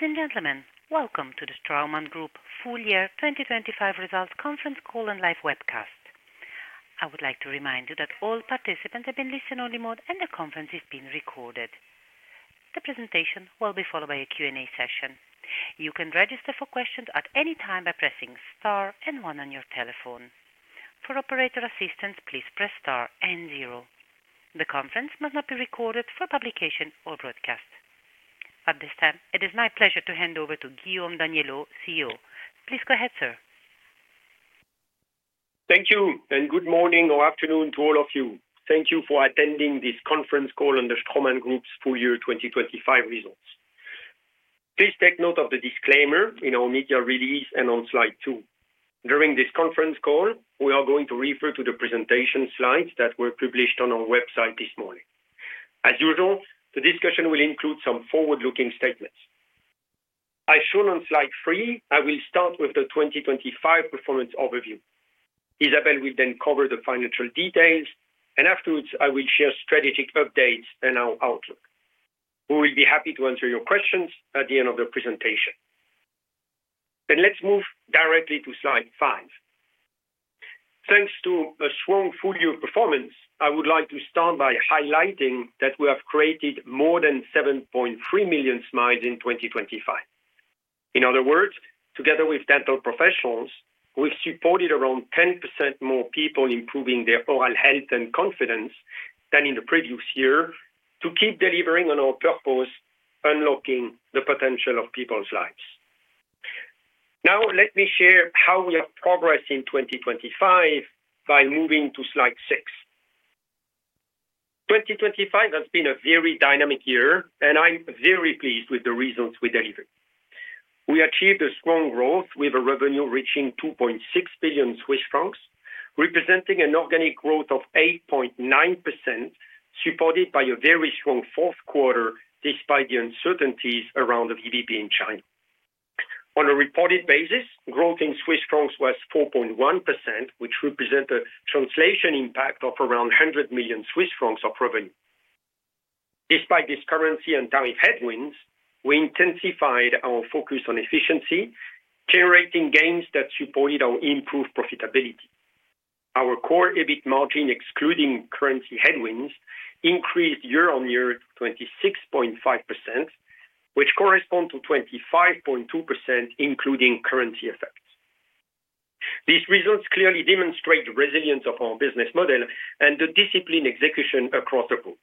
Ladies and gentlemen, welcome to the Straumann Group Full Year 2025 Results Conference Call and Live Webcast. I would like to remind you that all participants have been listen-only mode and the conference is being recorded. The presentation will be followed by a Q&A session. You can register for questions at any time by pressing star and one on your telephone. For operator assistance, please press star and zero. The conference must not be recorded for publication or broadcast. At this time, it is my pleasure to hand over to Guillaume Daniellot, CEO. Please go ahead, sir. Thank you, and good morning or afternoon to all of you. Thank you for attending this conference call on the Straumann Group's full year 2025 results. Please take note of the disclaimer in our media release and on slide 2. During this conference call, we are going to refer to the presentation slides that were published on our website this morning. As usual, the discussion will include some forward-looking statements. As shown on slide 3, I will start with the 2025 performance overview. Isabelle will then cover the financial details, and afterwards, I will share strategic updates and our outlook. We will be happy to answer your questions at the end of the presentation. Let's move directly to slide 5. Thanks to a strong full year of performance, I would like to start by highlighting that we have created more than 7.3 million smiles in 2025. In other words, together with dental professionals, we've supported around 10% more people in improving their oral health and confidence than in the previous year, to keep delivering on our purpose, unlocking the potential of people's lives. Now, let me share how we have progressed in 2025 by moving to slide 6. 2025 has been a very dynamic year, and I'm very pleased with the results we delivered. We achieved a strong growth, with a revenue reaching 2.6 billion Swiss francs, representing an organic growth of 8.9%, supported by a very strong Q4, despite the uncertainties around the GDP in China. On a reported basis, growth in Swiss francs was 4.1%, which represent a translation impact of around 100 million Swiss francs of revenue. Despite this currency and tariff headwinds, we intensified our focus on efficiency, generating gains that supported our improved profitability. Our core EBIT margin, excluding currency headwinds, increased year-on-year to 26.5%, which correspond to 25.2%, including currency effects. These results clearly demonstrate the resilience of our business model and the disciplined execution across the group.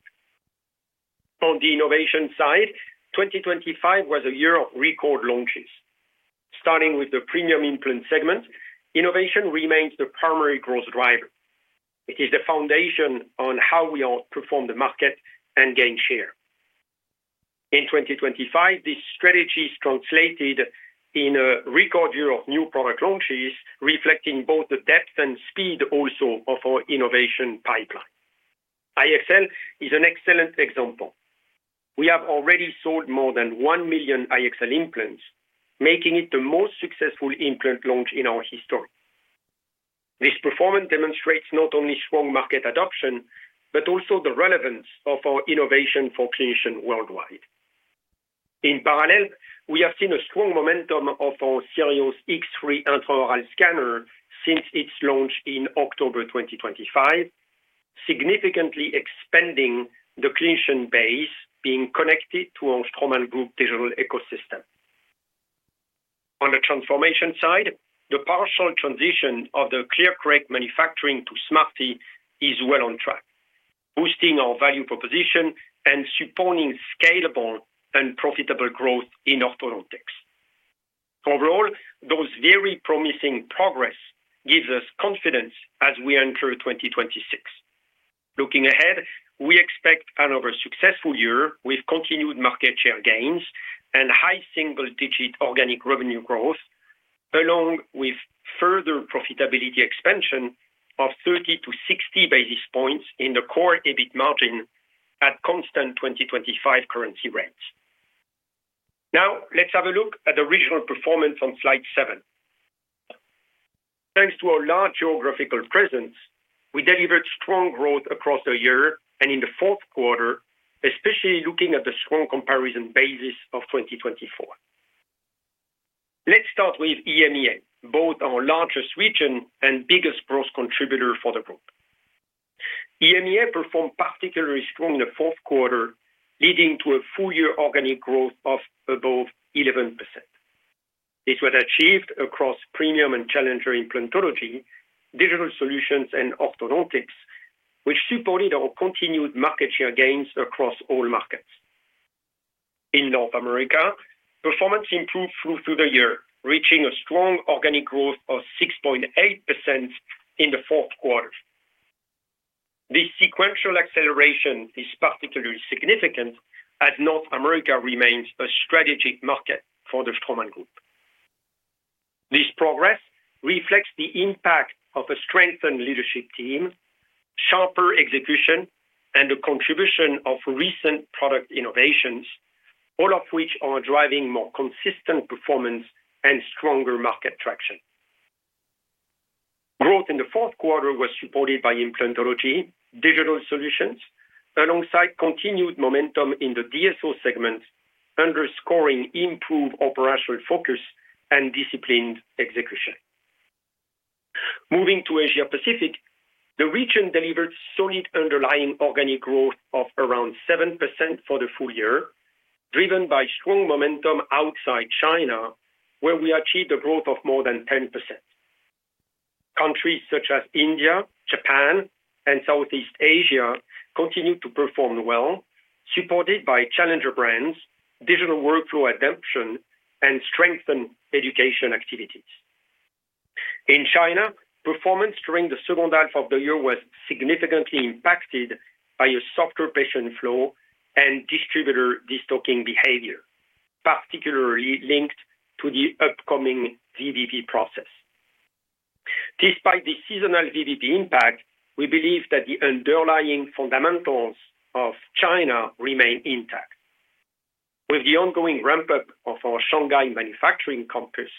On the innovation side, 2025 was a year of record launches. Starting with the premium implant segment, innovation remains the primary growth driver. It is the foundation on how we outperform the market and gain share. In 2025, this strategy is translated in a record year of new product launches, reflecting both the depth and speed also of our innovation pipeline. iExcel is an excellent example. We have already sold more than 1 million iExcel implants, making it the most successful implant launch in our history. This performance demonstrates not only strong market adoption, but also the relevance of our innovation for clinicians worldwide. In parallel, we have seen a strong momentum of our SIRIOS X3 intraoral scanner since its launch in October 2025, significantly expanding the clinician base being connected to our Straumann Group digital ecosystem. On the transformation side, the partial transition of the ClearCorrect manufacturing to Smartee is well on track, boosting our value proposition and supporting scalable and profitable growth in orthodontics. Overall, those very promising progress gives us confidence as we enter 2026. Looking ahead, we expect another successful year with continued market share gains and high single-digit organic revenue growth, along with further profitability expansion of 30-60 basis points in the Core EBIT margin at constant 2025 currency rates. Now, let's have a look at the regional performance on slide 7. Thanks to our large geographical presence, we delivered strong growth across the year and in the Q4, especially looking at the strong comparison basis of 2024. Let's start with EMEA, both our largest region and biggest growth contributor for the group. EMEA performed particularly strong in the Q4, leading to a full year organic growth of above 11%. This was achieved across premium and challenger implantology, digital solutions, and orthodontics, which supported our continued market share gains across all markets. In North America, performance improved through the year, reaching a strong organic growth of 6.8% in the Q4. This sequential acceleration is particularly significant, as North America remains a strategic market for the Straumann Group. This progress reflects the impact of a strengthened leadership team, sharper execution, and the contribution of recent product innovations, all of which are driving more consistent performance and stronger market traction. Growth in the Q4 was supported by implantology, digital solutions, alongside continued momentum in the DSO segment, underscoring improved operational focus and disciplined execution. Moving to Asia Pacific, the region delivered solid underlying organic growth of around 7% for the full year, driven by strong momentum outside China, where we achieved a growth of more than 10%. Countries such as India, Japan, and Southeast Asia continued to perform well, supported by challenger brands, digital workflow adoption, and strengthened education activities. In China, performance during the second half of the year was significantly impacted by a softer patient flow and distributor destocking behavior, particularly linked to the upcoming VBP process. Despite the seasonal VBP impact, we believe that the underlying fundamentals of China remain intact. With the ongoing ramp-up of our Shanghai manufacturing campus,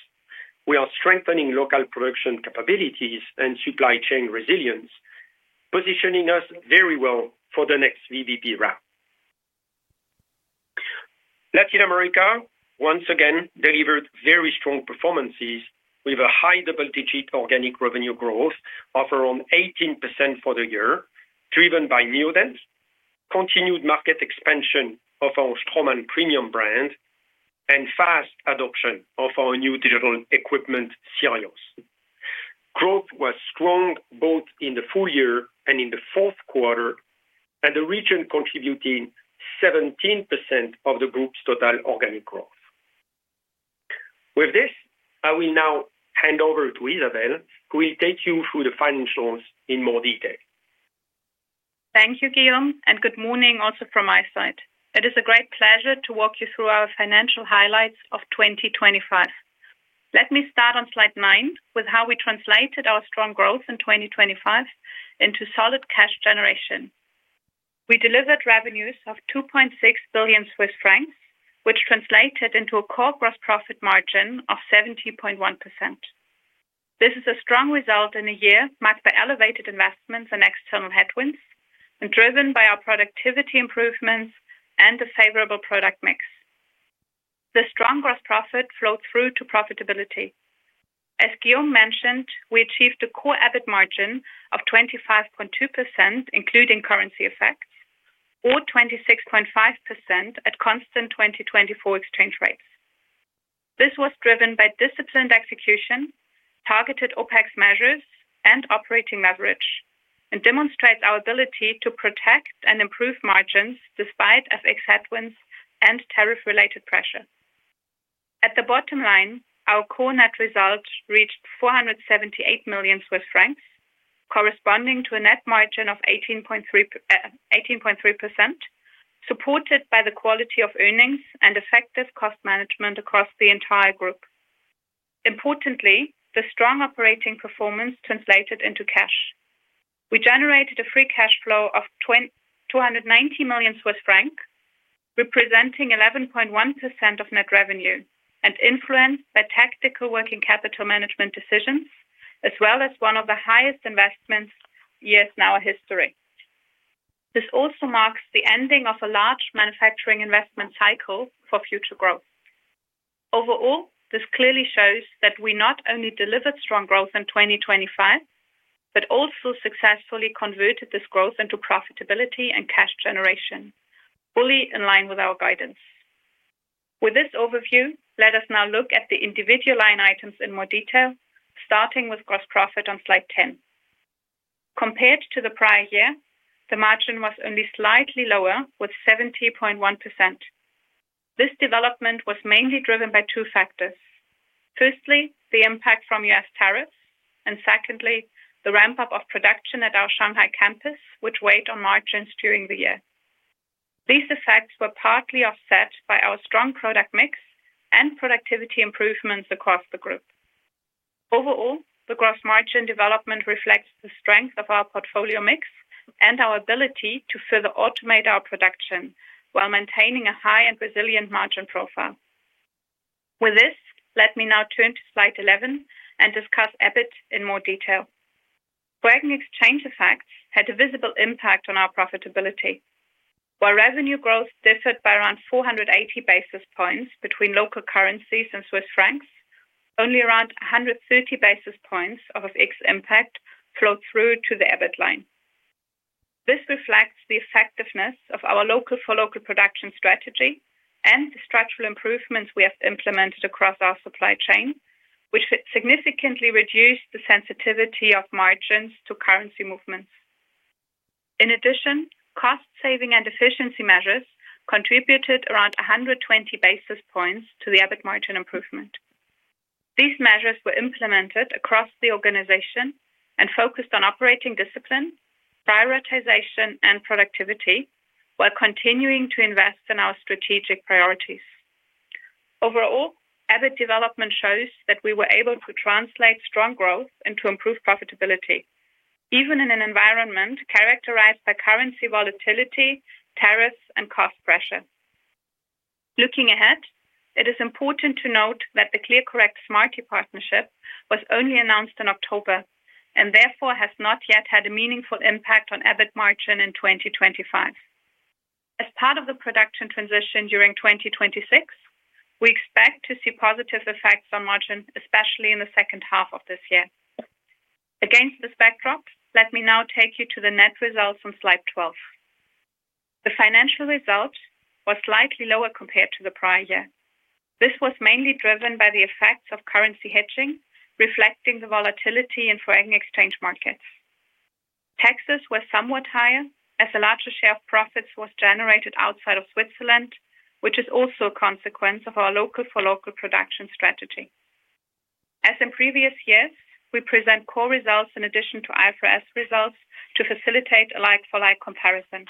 we are strengthening local production capabilities and supply chain resilience, positioning us very well for the next VBP round. Latin America, once again, delivered very strong performances with a high double-digit organic revenue growth of around 18% for the year, driven by Neodent, continued market expansion of our Straumann premium brand, and fast adoption of our new digital equipment, SIRIOS. Growth was strong both in the full year and in the Q4, and the region contributing 17% of the group's total organic growth. With this, I will now hand over to Isabelle, who will take you through the financials in more detail. Thank you, Guillaume, and good morning also from my side. It is a great pleasure to walk you through our financial highlights of 2025. Let me start on slide 9 with how we translated our strong growth in 2025 into solid cash generation. We delivered revenues of 2.6 billion Swiss francs, which translated into a core gross profit margin of 70.1%. This is a strong result in a year marked by elevated investments and external headwinds, and driven by our productivity improvements and a favorable product mix. The strong gross profit flowed through to profitability. As Guillaume mentioned, we achieved a core EBIT margin of 25.2%, including currency effects, or 26.5% at constant 2024 exchange rates. This was driven by disciplined execution, targeted OpEx measures, and operating leverage, and demonstrates our ability to protect and improve margins despite FX headwinds and tariff-related pressure. At the bottom line, our core net results reached 478 million Swiss francs, corresponding to a net margin of 18.3%, supported by the quality of earnings and effective cost management across the entire group. Importantly, the strong operating performance translated into cash. We generated a free cash flow of 290 million Swiss francs, representing 11.1% of net revenue and influenced by tactical working capital management decisions, as well as one of the highest investments years in our history. This also marks the ending of a large manufacturing investment cycle for future growth. Overall, this clearly shows that we not only delivered strong growth in 2025, but also successfully converted this growth into profitability and cash generation, fully in line with our guidance. With this overview, let us now look at the individual line items in more detail, starting with gross profit on slide 10. Compared to the prior year, the margin was only slightly lower, with 70.1%. This development was mainly driven by two factors. Firstly, the impact from U.S. tariffs, and secondly, the ramp-up of production at our Shanghai campus, which weighed on margins during the year. These effects were partly offset by our strong product mix and productivity improvements across the group. Overall, the gross margin development reflects the strength of our portfolio mix and our ability to further automate our production while maintaining a high and resilient margin profile. With this, let me now turn to slide 11 and discuss EBIT in more detail. Foreign exchange effects had a visible impact on our profitability. While revenue growth differed by around 480 basis points between local currencies and Swiss francs, only around 130 basis points of FX impact flowed through to the EBIT line. This reflects the effectiveness of our local-for-local production strategy and the structural improvements we have implemented across our supply chain, which significantly reduced the sensitivity of margins to currency movements. In addition, cost-saving and efficiency measures contributed around 120 basis points to the EBIT margin improvement. These measures were implemented across the organization and focused on operating discipline, prioritization, and productivity while continuing to invest in our strategic priorities. Overall, EBIT development shows that we were able to translate strong growth and to improve profitability, even in an environment characterized by currency volatility, tariffs, and cost pressure. Looking ahead, it is important to note that the ClearCorrect Smartee partnership was only announced in October, and therefore has not yet had a meaningful impact on EBIT margin in 2025. As part of the production transition during 2026, we expect to see positive effects on margin, especially in the second half of this year. Against this backdrop, let me now take you to the net results on slide 12. The financial result was slightly lower compared to the prior year. This was mainly driven by the effects of currency hedging, reflecting the volatility in foreign exchange markets. Taxes were somewhat higher, as a larger share of profits was generated outside of Switzerland, which is also a consequence of our local-for-local production strategy. As in previous years, we present core results in addition to IFRS results to facilitate a like-for-like comparison.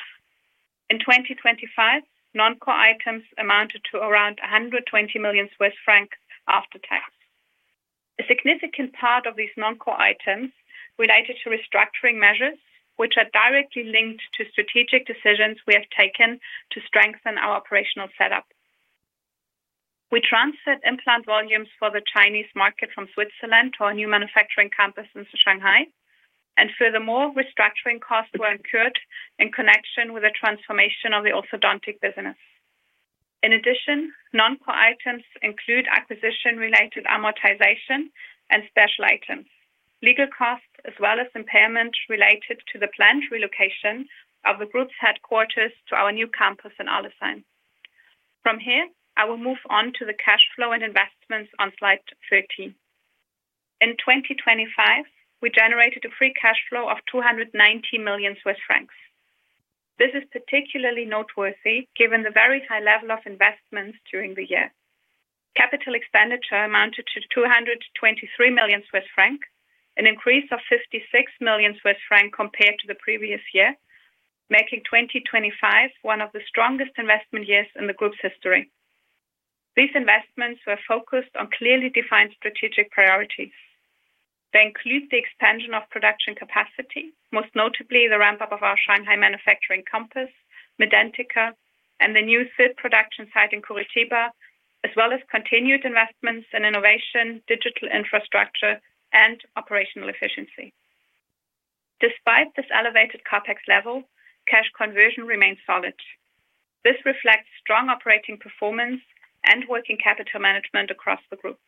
In 2025, non-core items amounted to around 120 million Swiss francs after tax. A significant part of these non-core items related to restructuring measures, which are directly linked to strategic decisions we have taken to strengthen our operational setup. We transferred implant volumes for the Chinese market from Switzerland to our new manufacturing campus in Shanghai, and furthermore, restructuring costs were incurred in connection with the transformation of the orthodontic business. In addition, non-core items include acquisition-related amortization and special items, legal costs, as well as impairment related to the planned relocation of the group's headquarters to our new campus in Arlesheim. From here, I will move on to the cash flow and investments on slide 13. In 2025, we generated a free cash flow of 290 million Swiss francs. This is particularly noteworthy, given the very high level of investments during the year. Capital expenditure amounted to 223 million Swiss francs, an increase of 56 million Swiss francs compared to the previous year, making 2025 one of the strongest investment years in the group's history. These investments were focused on clearly defined strategic priorities. They include the expansion of production capacity, most notably the ramp-up of our Shanghai manufacturing campus, Medentika, and the new third production site in Curitiba, as well as continued investments in innovation, digital infrastructure, and operational efficiency. Despite this elevated CapEx level, cash conversion remains solid. This reflects strong operating performance and working capital management across the group.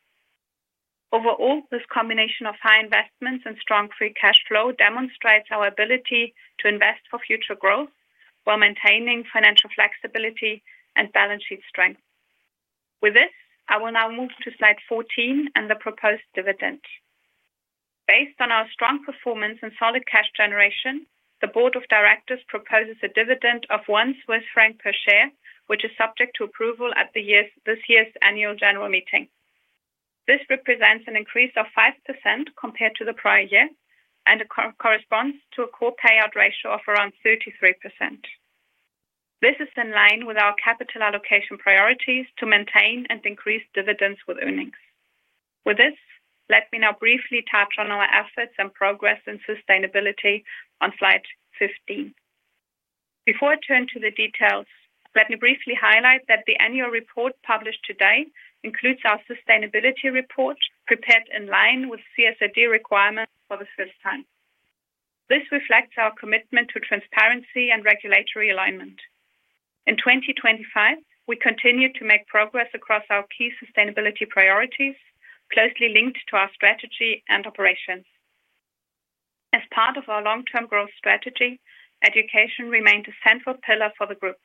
Overall, this combination of high investments and strong free cash flow demonstrates our ability to invest for future growth while maintaining financial flexibility and balance sheet strength. With this, I will now move to slide 14 and the proposed dividend. Based on our strong performance and solid cash generation, the board of directors proposes a dividend of 1 Swiss franc per share, which is subject to approval at this year's annual general meeting. This represents an increase of 5% compared to the prior year, and it corresponds to a core payout ratio of around 33%. This is in line with our capital allocation priorities to maintain and increase dividends with earnings. With this, let me now briefly touch on our efforts and progress in sustainability on slide 15. Before I turn to the details, let me briefly highlight that the annual report published today includes our sustainability report, prepared in line with CSRD requirements for the first time. This reflects our commitment to transparency and regulatory alignment. In 2025, we continued to make progress across our key sustainability priorities, closely linked to our strategy and operations. As part of our long-term growth strategy, education remained a central pillar for the group.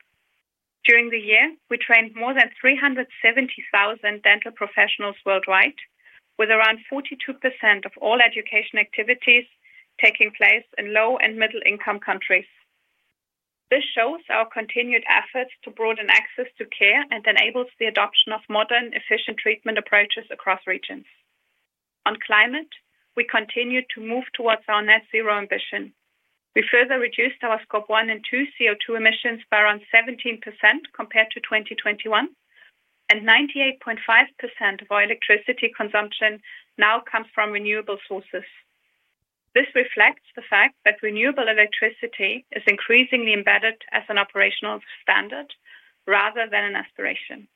During the year, we trained more than 370,000 dental professionals worldwide, with around 42% of all education activities taking place in low and middle-income countries. This shows our continued efforts to broaden access to care and enables the adoption of modern, efficient treatment approaches across regions. On climate, we continued to move towards our net zero ambition. We further reduced our Scope 1 and 2 CO2 emissions by around 17% compared to 2021, and 98.5% of our electricity consumption now comes from renewable sources. This reflects the fact that renewable electricity is increasingly embedded as an operational standard rather than an aspiration.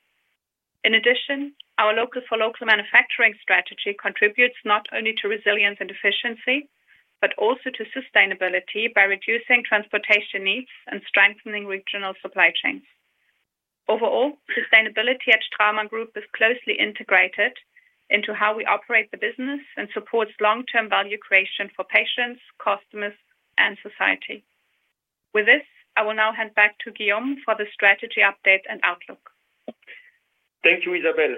In addition, our local-for-local manufacturing strategy contributes not only to resilience and efficiency, but also to sustainability by reducing transportation needs and strengthening regional supply chains. Overall, sustainability at Straumann Group is closely integrated into how we operate the business and supports long-term value creation for patients, customers, and society. With this, I will now hand back to Guillaume for the strategy update and outlook. Thank you, Isabelle.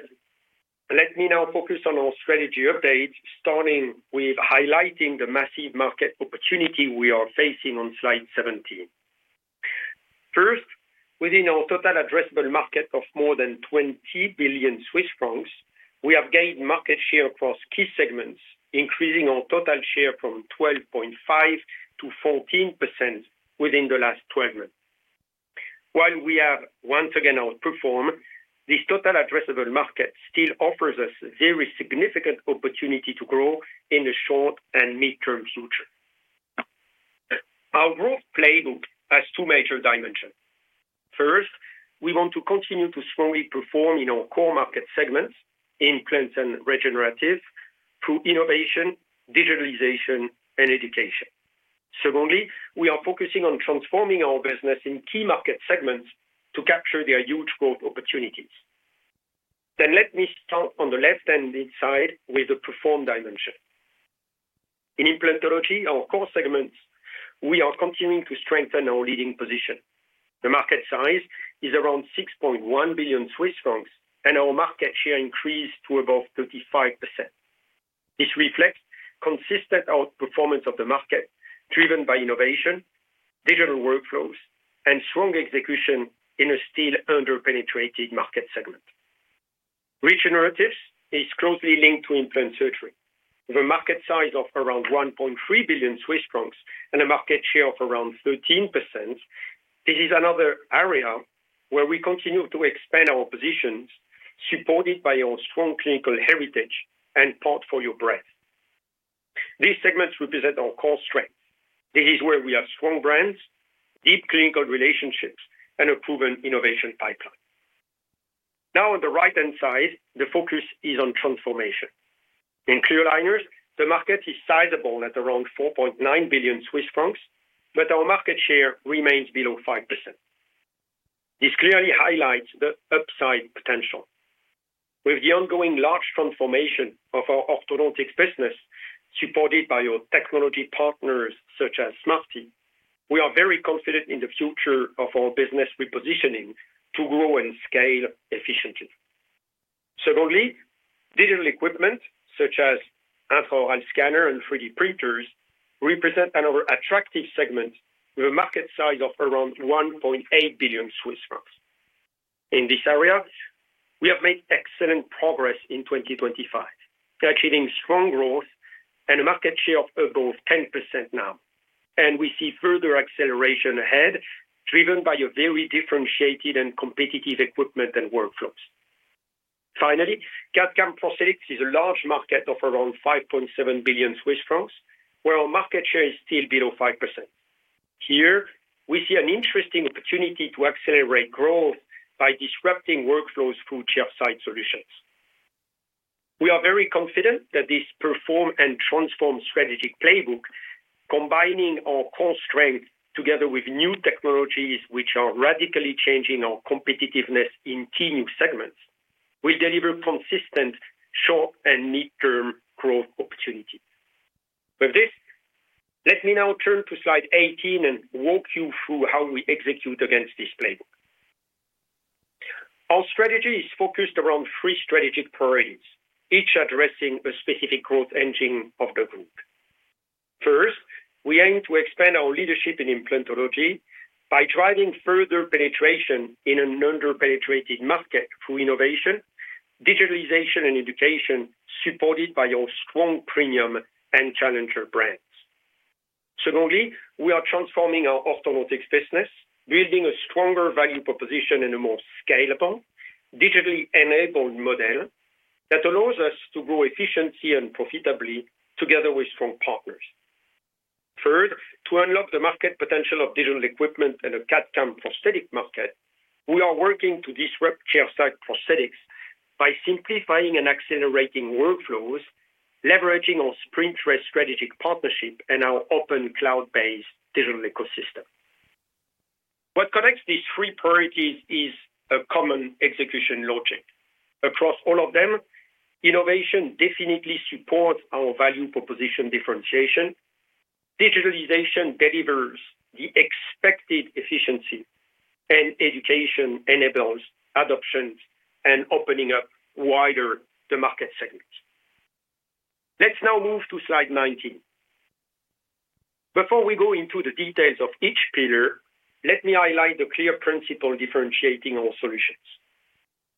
Let me now focus on our strategy update, starting with highlighting the massive market opportunity we are facing on slide 17. First, within our total addressable market of more than 20 billion Swiss francs, we have gained market share across key segments, increasing our total share from 12.5%-14% within the last 12 months. While we have once again outperformed, this total addressable market still offers us very significant opportunity to grow in the short- and mid-term future. Our growth playbook has two major dimensions. First, we want to continue to strongly perform in our core market segments in implants and regenerative, through innovation, digitalization, and education. Secondly, we are focusing on transforming our business in key market segments to capture their huge growth opportunities. Then let me start on the left-hand side with the perform dimension. In implantology, our core segments, we are continuing to strengthen our leading position. The market size is around 6.1 billion Swiss francs, and our market share increased to above 35%. This reflects consistent outperformance of the market, driven by innovation, digital workflows, and strong execution in a still under-penetrated market segment. Regeneratives is closely linked to implant surgery. With a market size of around 1.3 billion Swiss francs and a market share of around 13%, this is another area where we continue to expand our positions, supported by our strong clinical heritage and portfolio breadth. These segments represent our core strength. This is where we have strong brands, deep clinical relationships, and a proven innovation pipeline. Now, on the right-hand side, the focus is on transformation. In clear aligners, the market is sizable at around 4.9 billion Swiss francs, but our market share remains below 5%. This clearly highlights the upside potential. With the ongoing large transformation of our orthodontics business, supported by our technology partners such as Smartee, we are very confident in the future of our business repositioning to grow and scale efficiently. Secondly, digital equipment such as intraoral scanner and 3D printers, represent another attractive segment with a market size of around 1.8 billion Swiss francs. In this area, we have made excellent progress in 2025, achieving strong growth and a market share of above 10% now, and we see further acceleration ahead, driven by a very differentiated and competitive equipment and workflows. Finally, CAD/CAM prosthetics is a large market of around 5.7 billion Swiss francs, where our market share is still below 5%. Here, we see an interesting opportunity to accelerate growth by disrupting workflows through chairside solutions. We are very confident that this perform and transform strategic playbook, combining our core strength together with new technologies, which are radically changing our competitiveness in key new segments, will deliver consistent short and mid-term growth opportunities. With this, let me now turn to slide 18 and walk you through how we execute against this playbook. Our strategy is focused around three strategic priorities, each addressing a specific growth engine of the group. First, we aim to expand our leadership in implantology by driving further penetration in an under-penetrated market through innovation, digitalization, and education, supported by our strong premium and challenger brands. Secondly, we are transforming our orthodontics business, building a stronger value proposition and a more scalable, digitally enabled model that allows us to grow efficiently and profitably together with strong partners. Third, to unlock the market potential of digital equipment and the CAD/CAM prosthetic market, we are working to disrupt chairside prosthetics by simplifying and accelerating workflows, leveraging our SprintRay strategic partnership and our open cloud-based digital ecosystem. What connects these three priorities is a common execution logic. Across all of them, innovation definitely supports our value proposition differentiation. Digitalization delivers the expected efficiency, and education enables adoptions and opening up wider the market segments. Let's now move to slide 19. Before we go into the details of each pillar, let me highlight the clear principle differentiating our solutions.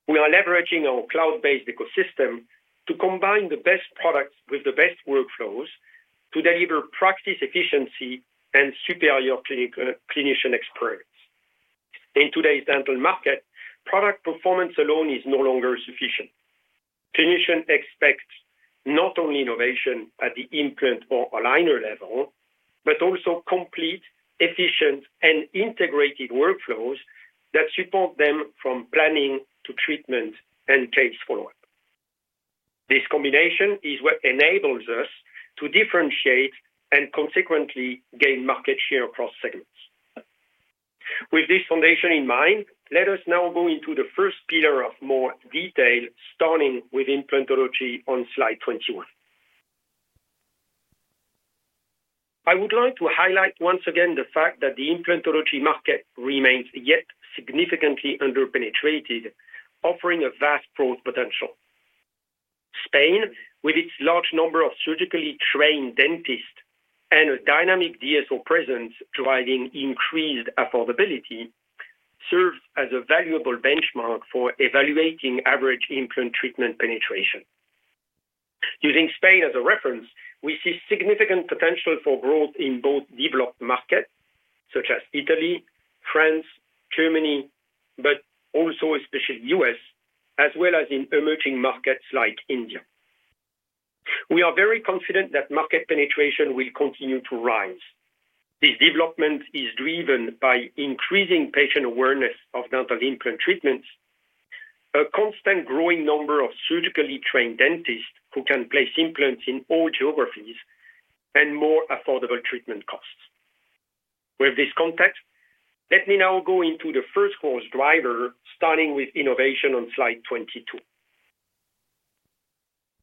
We are leveraging our cloud-based ecosystem to combine the best products with the best workflows to deliver practice efficiency and superior clinician experience. In today's dental market, product performance alone is no longer sufficient. Clinicians expect not only innovation at the implant or aligner level, but also complete, efficient, and integrated workflows that support them from planning to treatment and case follow-up. This combination is what enables us to differentiate and consequently gain market share across segments. With this foundation in mind, let us now go into the first pillar of more detail, starting with implantology on slide 21. I would like to highlight once again the fact that the implantology market remains yet significantly under-penetrated, offering a vast growth potential. Spain, with its large number of surgically trained dentists and a dynamic DSO presence driving increased affordability, serves as a valuable benchmark for evaluating average implant treatment penetration. Using Spain as a reference, we see significant potential for growth in both developed markets, such as Italy, France, Germany, but also especially U.S., as well as in emerging markets like India. We are very confident that market penetration will continue to rise. This development is driven by increasing patient awareness of dental implant treatments, a constant growing number of surgically trained dentists who can place implants in all geographies, and more affordable treatment costs. With this context, let me now go into the first growth driver, starting with innovation on slide 22.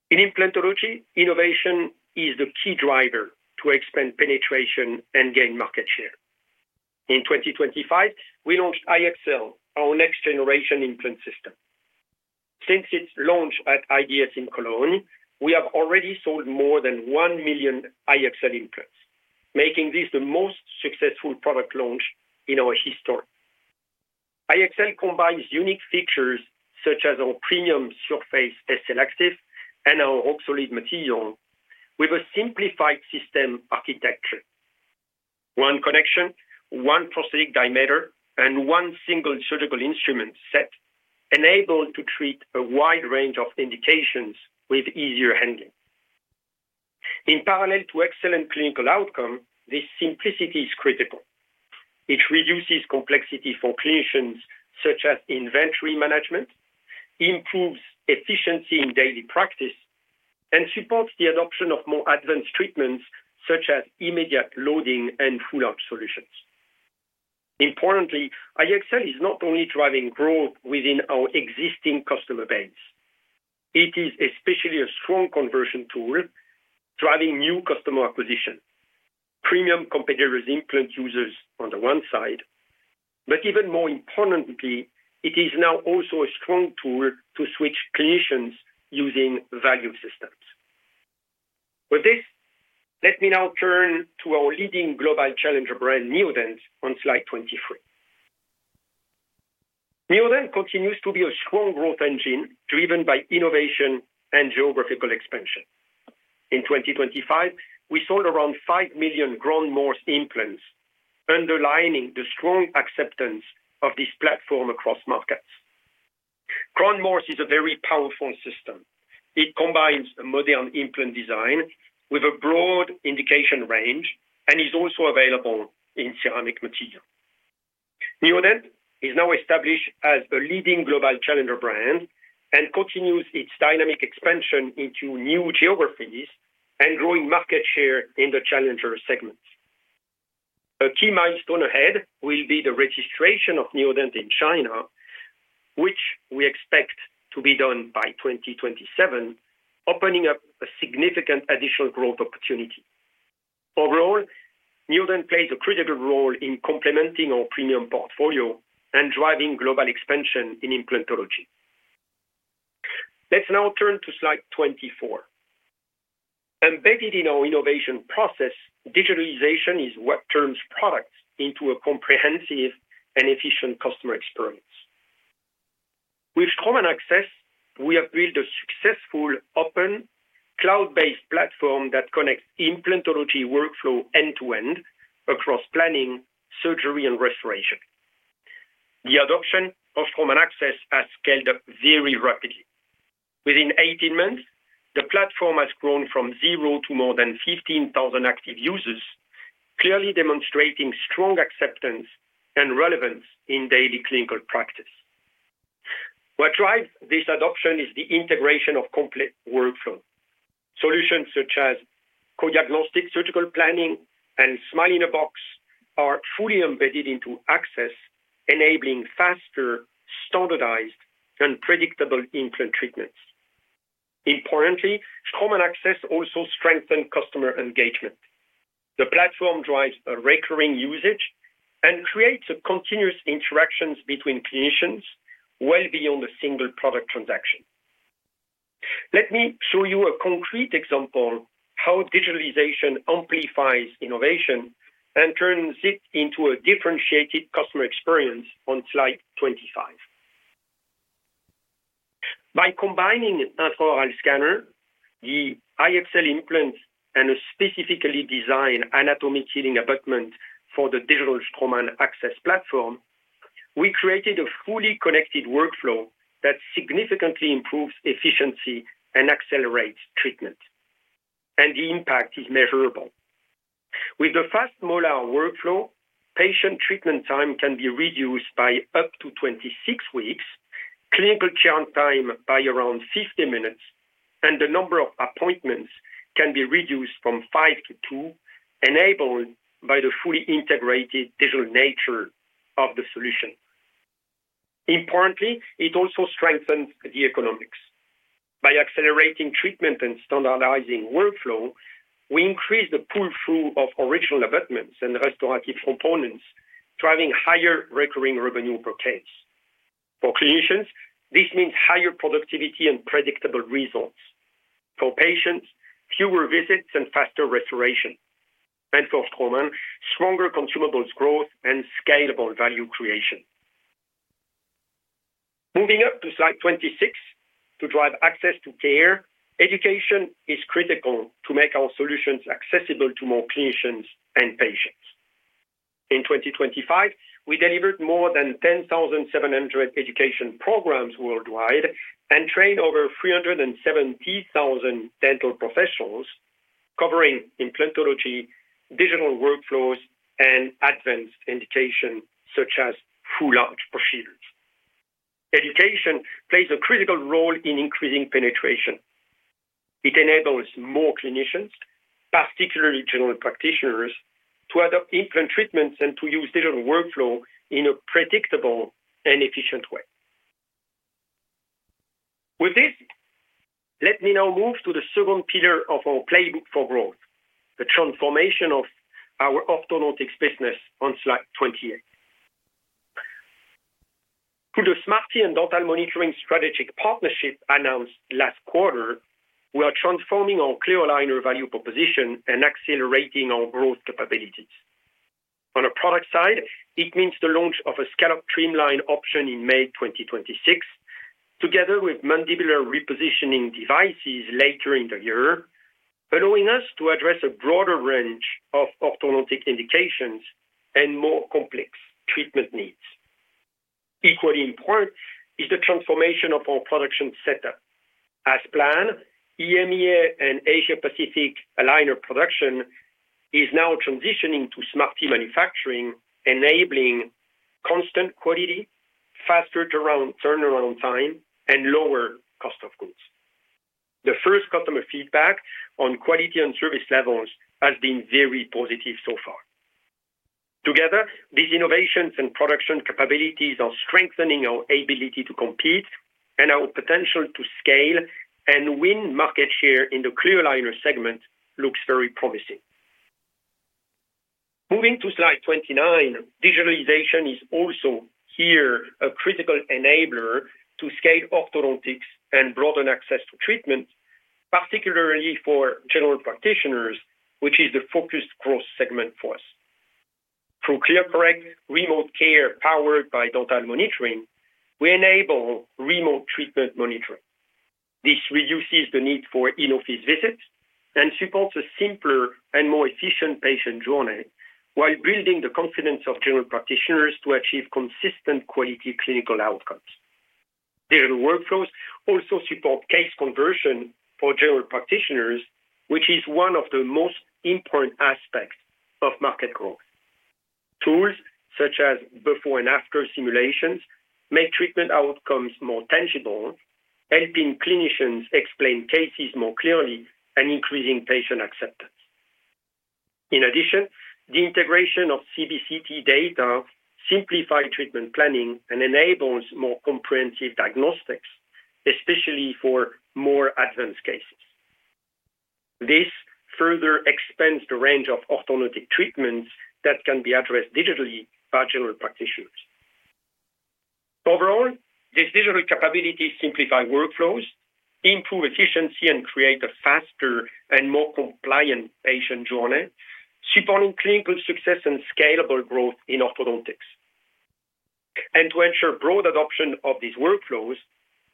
In implantology, innovation is the key driver to expand penetration and gain market share. In 2025, we launched iExcel, our next-generation implant system. Since its launch at IDS in Cologne, we have already sold more than 1 million iExcel implants, making this the most successful product launch in our history. iExcel combines unique features, such as our premium surface, SLActive, and our Roxolid material with a simplified system architecture. One connection, one prosthetic diameter, and one single surgical instrument set, enabled to treat a wide range of indications with easier handling. In parallel to excellent clinical outcome, this simplicity is critical. It reduces complexity for clinicians, such as inventory management, improves efficiency in daily practice, and supports the adoption of more advanced treatments, such as immediate loading and full arch solutions. Importantly, iExcel is not only driving growth within our existing customer base, it is especially a strong conversion tool, driving new customer acquisition, premium competitors, implant users on the one side, but even more importantly, it is now also a strong tool to switch clinicians using value systems. With this, let me now turn to our leading global challenger brand, Neodent, on slide 23. Neodent continues to be a strong growth engine, driven by innovation and geographical expansion. In 2025, we sold around 5 million Grand Morse implants, underlining the strong acceptance of this platform across markets. Grand Morse is a very powerful system. It combines a modern implant design with a broad indication range and is also available in ceramic material. Neodent is now established as a leading global challenger brand and continues its dynamic expansion into new geographies and growing market share in the challenger segment. A key milestone ahead will be the registration of Neodent in China, which we expect to be done by 2027, opening up a significant additional growth opportunity. Overall, Neodent plays a critical role in complementing our premium portfolio and driving global expansion in implantology. Let's now turn to slide 24. Embedded in our innovation process, digitalization is what turns products into a comprehensive and efficient customer experience. With Straumann AXS, we have built a successful open, cloud-based platform that connects implantology workflow end-to-end across planning, surgery, and restoration. The adoption of Straumann AXS has scaled up very rapidly. Within 18 months, the platform has grown from zero to more than 15,000 active users, clearly demonstrating strong acceptance and relevance in daily clinical practice. What drives this adoption is the integration of complete workflow. Solutions such as co-diagnostic, surgical planning, and Smile in a Box are fully embedded into Access, enabling faster, standardized, and predictable implant treatments. Importantly, Straumann AXS also strengthen customer engagement. The platform drives a recurring usage and creates a continuous interactions between clinicians well beyond a single product transaction. Let me show you a concrete example how digitalization amplifies innovation and turns it into a differentiated customer experience on slide 25. By combining an oral scanner, the Straumann iExcel implant, and a specifically designed anatomic healing abutment for the digital Straumann AXS platform, we created a fully connected workflow that significantly improves efficiency and accelerates treatment, and the impact is measurable. With the fast molar workflow, patient treatment time can be reduced by up to 26 weeks, clinical chair time by around 50 minutes, and the number of appointments can be reduced from 5 to 2, enabled by the fully integrated digital nature of the solution. Importantly, it also strengthens the economics. By accelerating treatment and standardizing workflow, we increase the pull-through of original abutments and restorative components, driving higher recurring revenue per case. For clinicians, this means higher productivity and predictable results. For patients, fewer visits and faster restoration, and for Straumann, stronger consumables growth and scalable value creation. Moving up to slide 26, to drive access to care, education is critical to make our solutions accessible to more clinicians and patients. In 2025, we delivered more than 10,700 education programs worldwide, and trained over 370,000 dental professionals, covering implantology, digital workflows, and advanced indication, such as full arch procedures. Education plays a critical role in increasing penetration. It enables more clinicians, particularly general practitioners, to adopt implant treatments and to use digital workflow in a predictable and efficient way. With this, let me now move to the second pillar of our playbook for growth, the transformation of our orthodontics business on slide 28. Through the Smartee and Dental Monitoring strategic partnership announced last quarter, we are transforming our clear aligner value proposition and accelerating our growth capabilities. On a product side, it means the launch of a scalloped trimline option in May 2026, together with mandibular repositioning devices later in the year, allowing us to address a broader range of orthodontic indications and more complex treatment needs. Equally important is the transformation of our production setup. As planned, EMEA and Asia Pacific aligner production is now transitioning to Smartee manufacturing, enabling constant quality, faster turnaround time, and lower cost of goods. The first customer feedback on quality and service levels has been very positive so far. Together, these innovations and production capabilities are strengthening our ability to compete and our potential to scale and win market share in the clear aligner segment looks very promising. Moving to slide 29, digitalization is also here a critical enabler to scale orthodontics and broaden access to treatment, particularly for general practitioners, which is the focused growth segment for us. Through ClearCorrect remote care, powered by Dental Monitoring, we enable remote treatment monitoring. This reduces the need for in-office visits and supports a simpler and more efficient patient journey, while building the confidence of general practitioners to achieve consistent quality clinical outcomes. Digital workflows also support case conversion for general practitioners, which is one of the most important aspects of market growth. Tools such as before and after simulations make treatment outcomes more tangible, helping clinicians explain cases more clearly and increasing patient acceptance. In addition, the integration of CBCT data simplify treatment planning and enables more comprehensive diagnostics, especially for more advanced cases. This further expands the range of orthodontic treatments that can be addressed digitally by general practitioners. Overall, these digital capabilities simplify workflows, improve efficiency, and create a faster and more compliant patient journey, supporting clinical success and scalable growth in orthodontics. To ensure broad adoption of these workflows,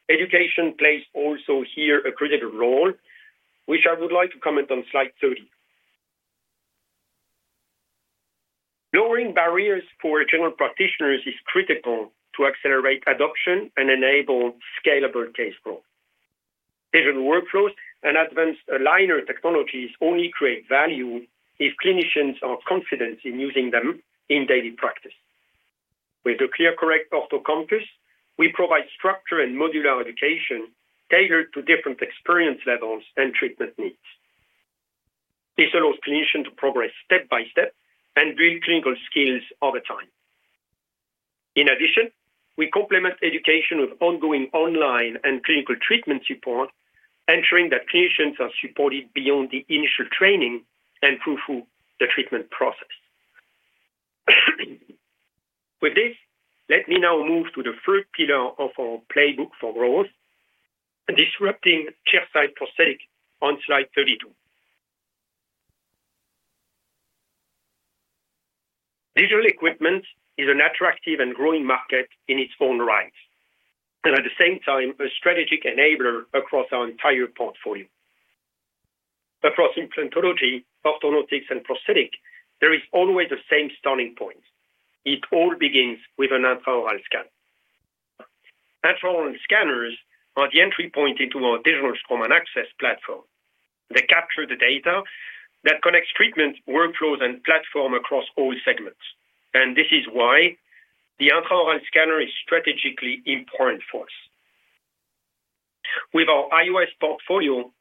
education plays also here a critical role, which I would like to comment on slide 30. Lowering barriers for general practitioners is critical to accelerate adoption and enable scalable case growth. Digital workflows and advanced aligner technologies only create value if clinicians are confident in using them in daily practice. With the ClearCorrect Ortho Campus, we provide structure and modular education tailored to different experience levels and treatment needs. This allows clinicians to progress step by step and build clinical skills over time. In addition, we complement education with ongoing online and clinical treatment support, ensuring that clinicians are supported beyond the initial training and throughout the treatment process. With this, let me now move to the third pillar of our playbook for growth, disrupting chairside prosthetics on slide 32. Digital equipment is an attractive and growing market in its own right, and at the same time, a strategic enabler across our entire portfolio. Across implantology, orthodontics, and prosthetics, there is always the same starting point. It all begins with an intraoral scan. Intraoral scanners are the entry point into our digital common AXS platform. They capture the data that connects treatment workflows and platform across all segments, and this is why the intraoral scanner is strategically important for us. With our IOS portfolio,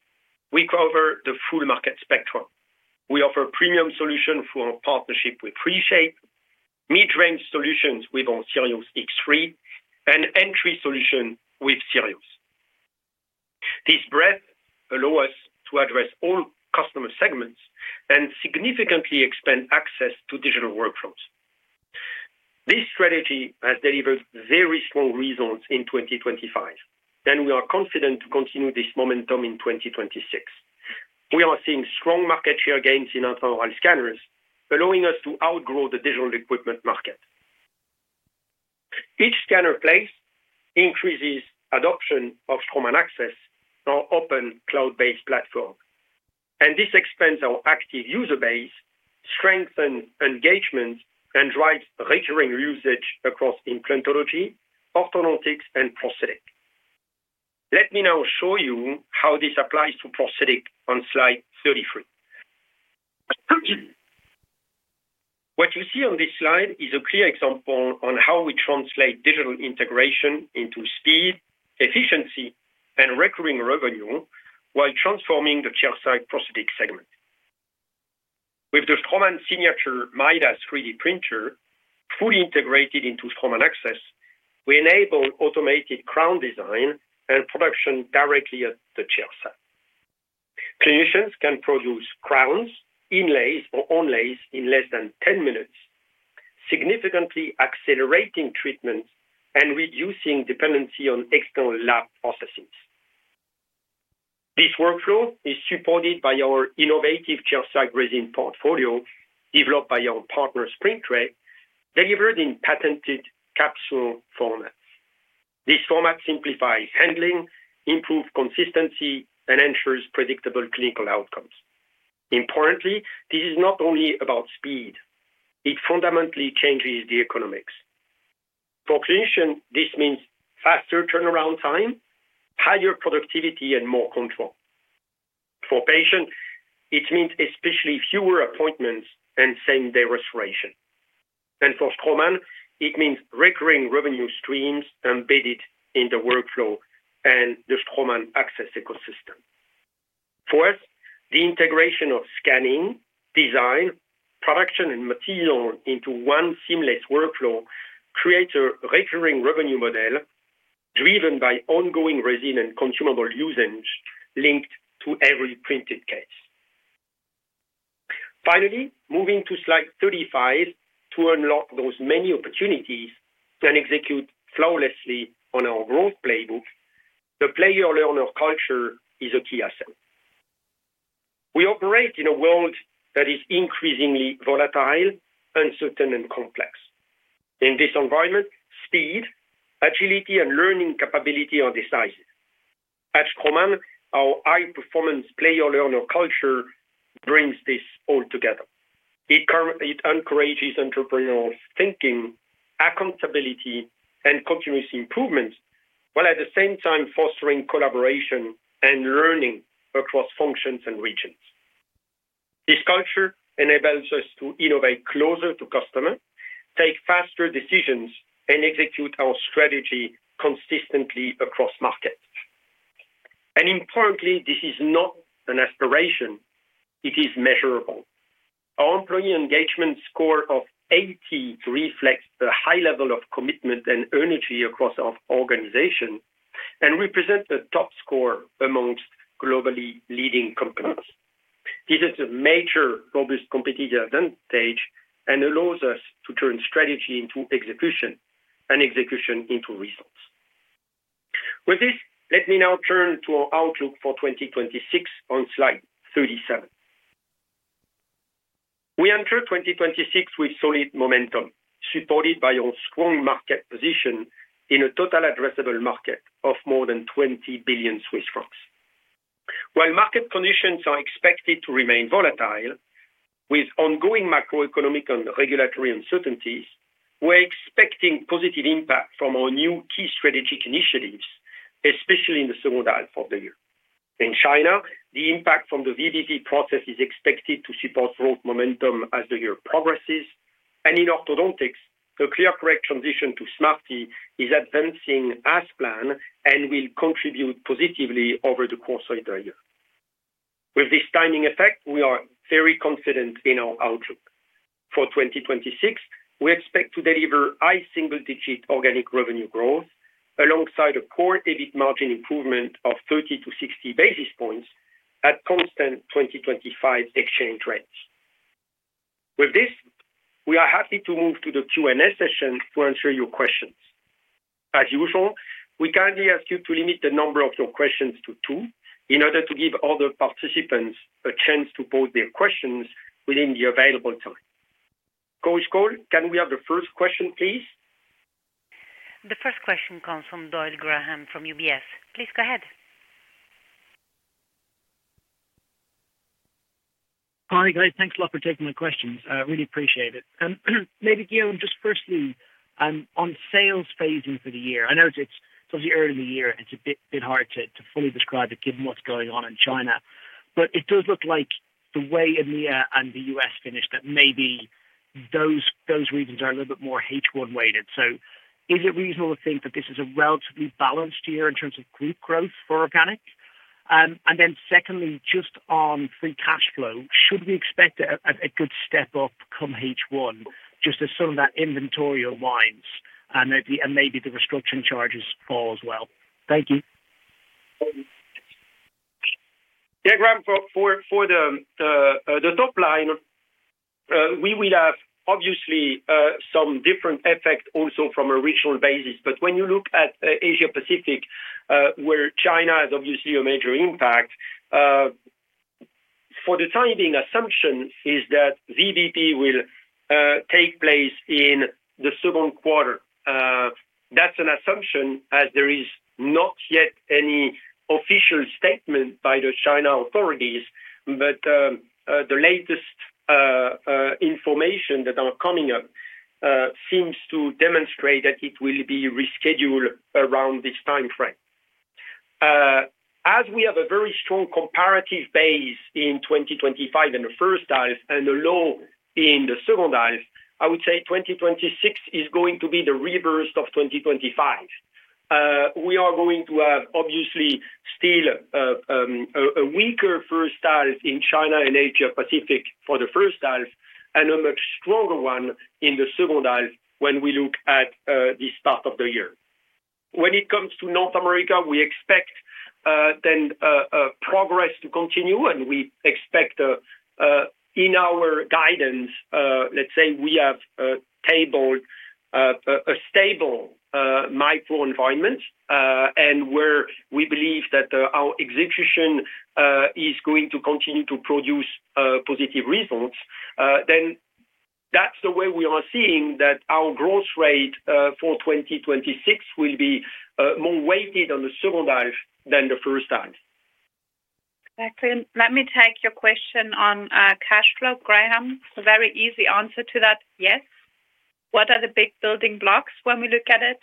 we cover the full market spectrum. We offer premium solution through our partnership with Primescan, mid-range solutions with our SIRIOS X3, and entry solution with SIRIOS. This breadth allows us to address all customer segments and significantly expand access to digital workflows. This strategy has delivered very strong results in 2025, and we are confident to continue this momentum in 2026. We are seeing strong market share gains in intraoral scanners, allowing us to outgrow the digital equipment market. Each scanner placed increases adoption of Straumann AXS, our open cloud-based platform. This expands our active user base, strengthens engagement, and drives recurring usage across implantology, orthodontics, and prosthetic. Let me now show you how this applies to prosthetic on slide thirty-three. What you see on this slide is a clear example on how we translate digital integration into speed, efficiency, and recurring revenue, while transforming the chairside prosthetic segment. With the Straumann Signature Midas 3D printer, fully integrated into Straumann AXS, we enable automated crown design and production directly at the chairside. Clinicians can produce crowns, inlays, or onlays in less than 10 minutes, significantly accelerating treatment and reducing dependency on external lab processes. This workflow is supported by our innovative chairside resin portfolio, developed by our partner, SprintRay, delivered in patented capsule formats. This format simplifies handling, improves consistency, and ensures predictable clinical outcomes. Importantly, this is not only about speed, it fundamentally changes the economics. For clinician, this means faster turnaround time, higher productivity, and more control. For patient, it means especially fewer appointments and same-day restoration. And for Straumann, it means recurring revenue streams embedded in the workflow and the Straumann AXS ecosystem. For us, the integration of scanning, design, production, and material into one seamless workflow creates a recurring revenue model driven by ongoing resin and consumable usage linked to every printed case. Finally, moving to slide 35, to unlock those many opportunities and execute flawlessly on our growth playbook, the play-or-learn culture is a key asset. We operate in a world that is increasingly volatile, uncertain, and complex. In this environment, speed, agility, and learning capability are decisive. At Straumann, our high-performance play-or-learn culture brings this all together. It encourages entrepreneurial thinking, accountability, and continuous improvements, while at the same time fostering collaboration and learning across functions and regions. This culture enables us to innovate closer to customer, take faster decisions, and execute our strategy consistently across markets. And importantly, this is not an aspiration, it is measurable. Our employee engagement score of 80 reflects the high level of commitment and energy across our organization and represents a top score amongst globally leading companies. This is a major robust competitive advantage and allows us to turn strategy into execution, and execution into results. With this, let me now turn to our outlook for 2026 on slide 37. We enter 2026 with solid momentum, supported by our strong market position in a total addressable market of more than 20 billion Swiss francs. While market conditions are expected to remain volatile, with ongoing macroeconomic and regulatory uncertainties, we're expecting positive impact from our new key strategic initiatives, especially in the second half of the year. In China, the impact from the VBP process is expected to support growth momentum as the year progresses. In orthodontics, the ClearCorrect transition to Smartee is advancing as planned and will contribute positively over the course of the year. With this timing effect, we are very confident in our outlook. For 2026, we expect to deliver high single-digit organic revenue growth, alongside a core EBIT margin improvement of 30-60 basis points at constant 2025 exchange rates. With this, we are happy to move to the Q&A session to answer your questions. As usual, we kindly ask you to limit the number of your questions to two, in order to give other participants a chance to pose their questions within the available time. Chorus Call, can we have the first question, please? The first question comes from Graham Doyle from UBS. Please go ahead. Hi, guys. Thanks a lot for taking the questions. Really appreciate it. Maybe, Guillaume, just firstly, on sales phasing for the year, I know it's early in the year, and it's a bit hard to fully describe it given what's going on in China. It does look like the way EMEA and the U.S. finished, that maybe those regions are a little bit more H1 weighted. Is it reasonable to think that this is a relatively balanced year in terms of group growth for organic? Secondly, just on free cash flow, should we expect a good step up come H1, just as some of that inventory aligns and maybe the restructuring charges fall as well? Thank you. Yeah, Graham, for the top line, we will have obviously some different effect also from a regional basis. When you look at Asia Pacific, where China has obviously a major impact, for the time being, assumption is that VBP will take place in the Q2. That's an assumption as there is not yet any official statement by the China authorities, but the latest information that are coming up seems to demonstrate that it will be rescheduled around this time frame. As we have a very strong comparative base in 2025 in the first half and the low in the second half, I would say 2026 is going to be the reverse of 2025. We are going to have obviously still a weaker first half in China and Asia-Pacific for the first half, and a much stronger one in the second half when we look at the start of the year. When it comes to North America, we expect a progress to continue, and we expect, in our guidance, let's say we have tabled a stable microenvironment, and where we believe that our execution is going to continue to produce positive results, then that's the way we are seeing that our growth rate for 2026 will be more weighted on the second half than the first half. Exactly. Let me take your question on cash flow, Graham. A very easy answer to that, yes. What are the big building blocks when we look at it?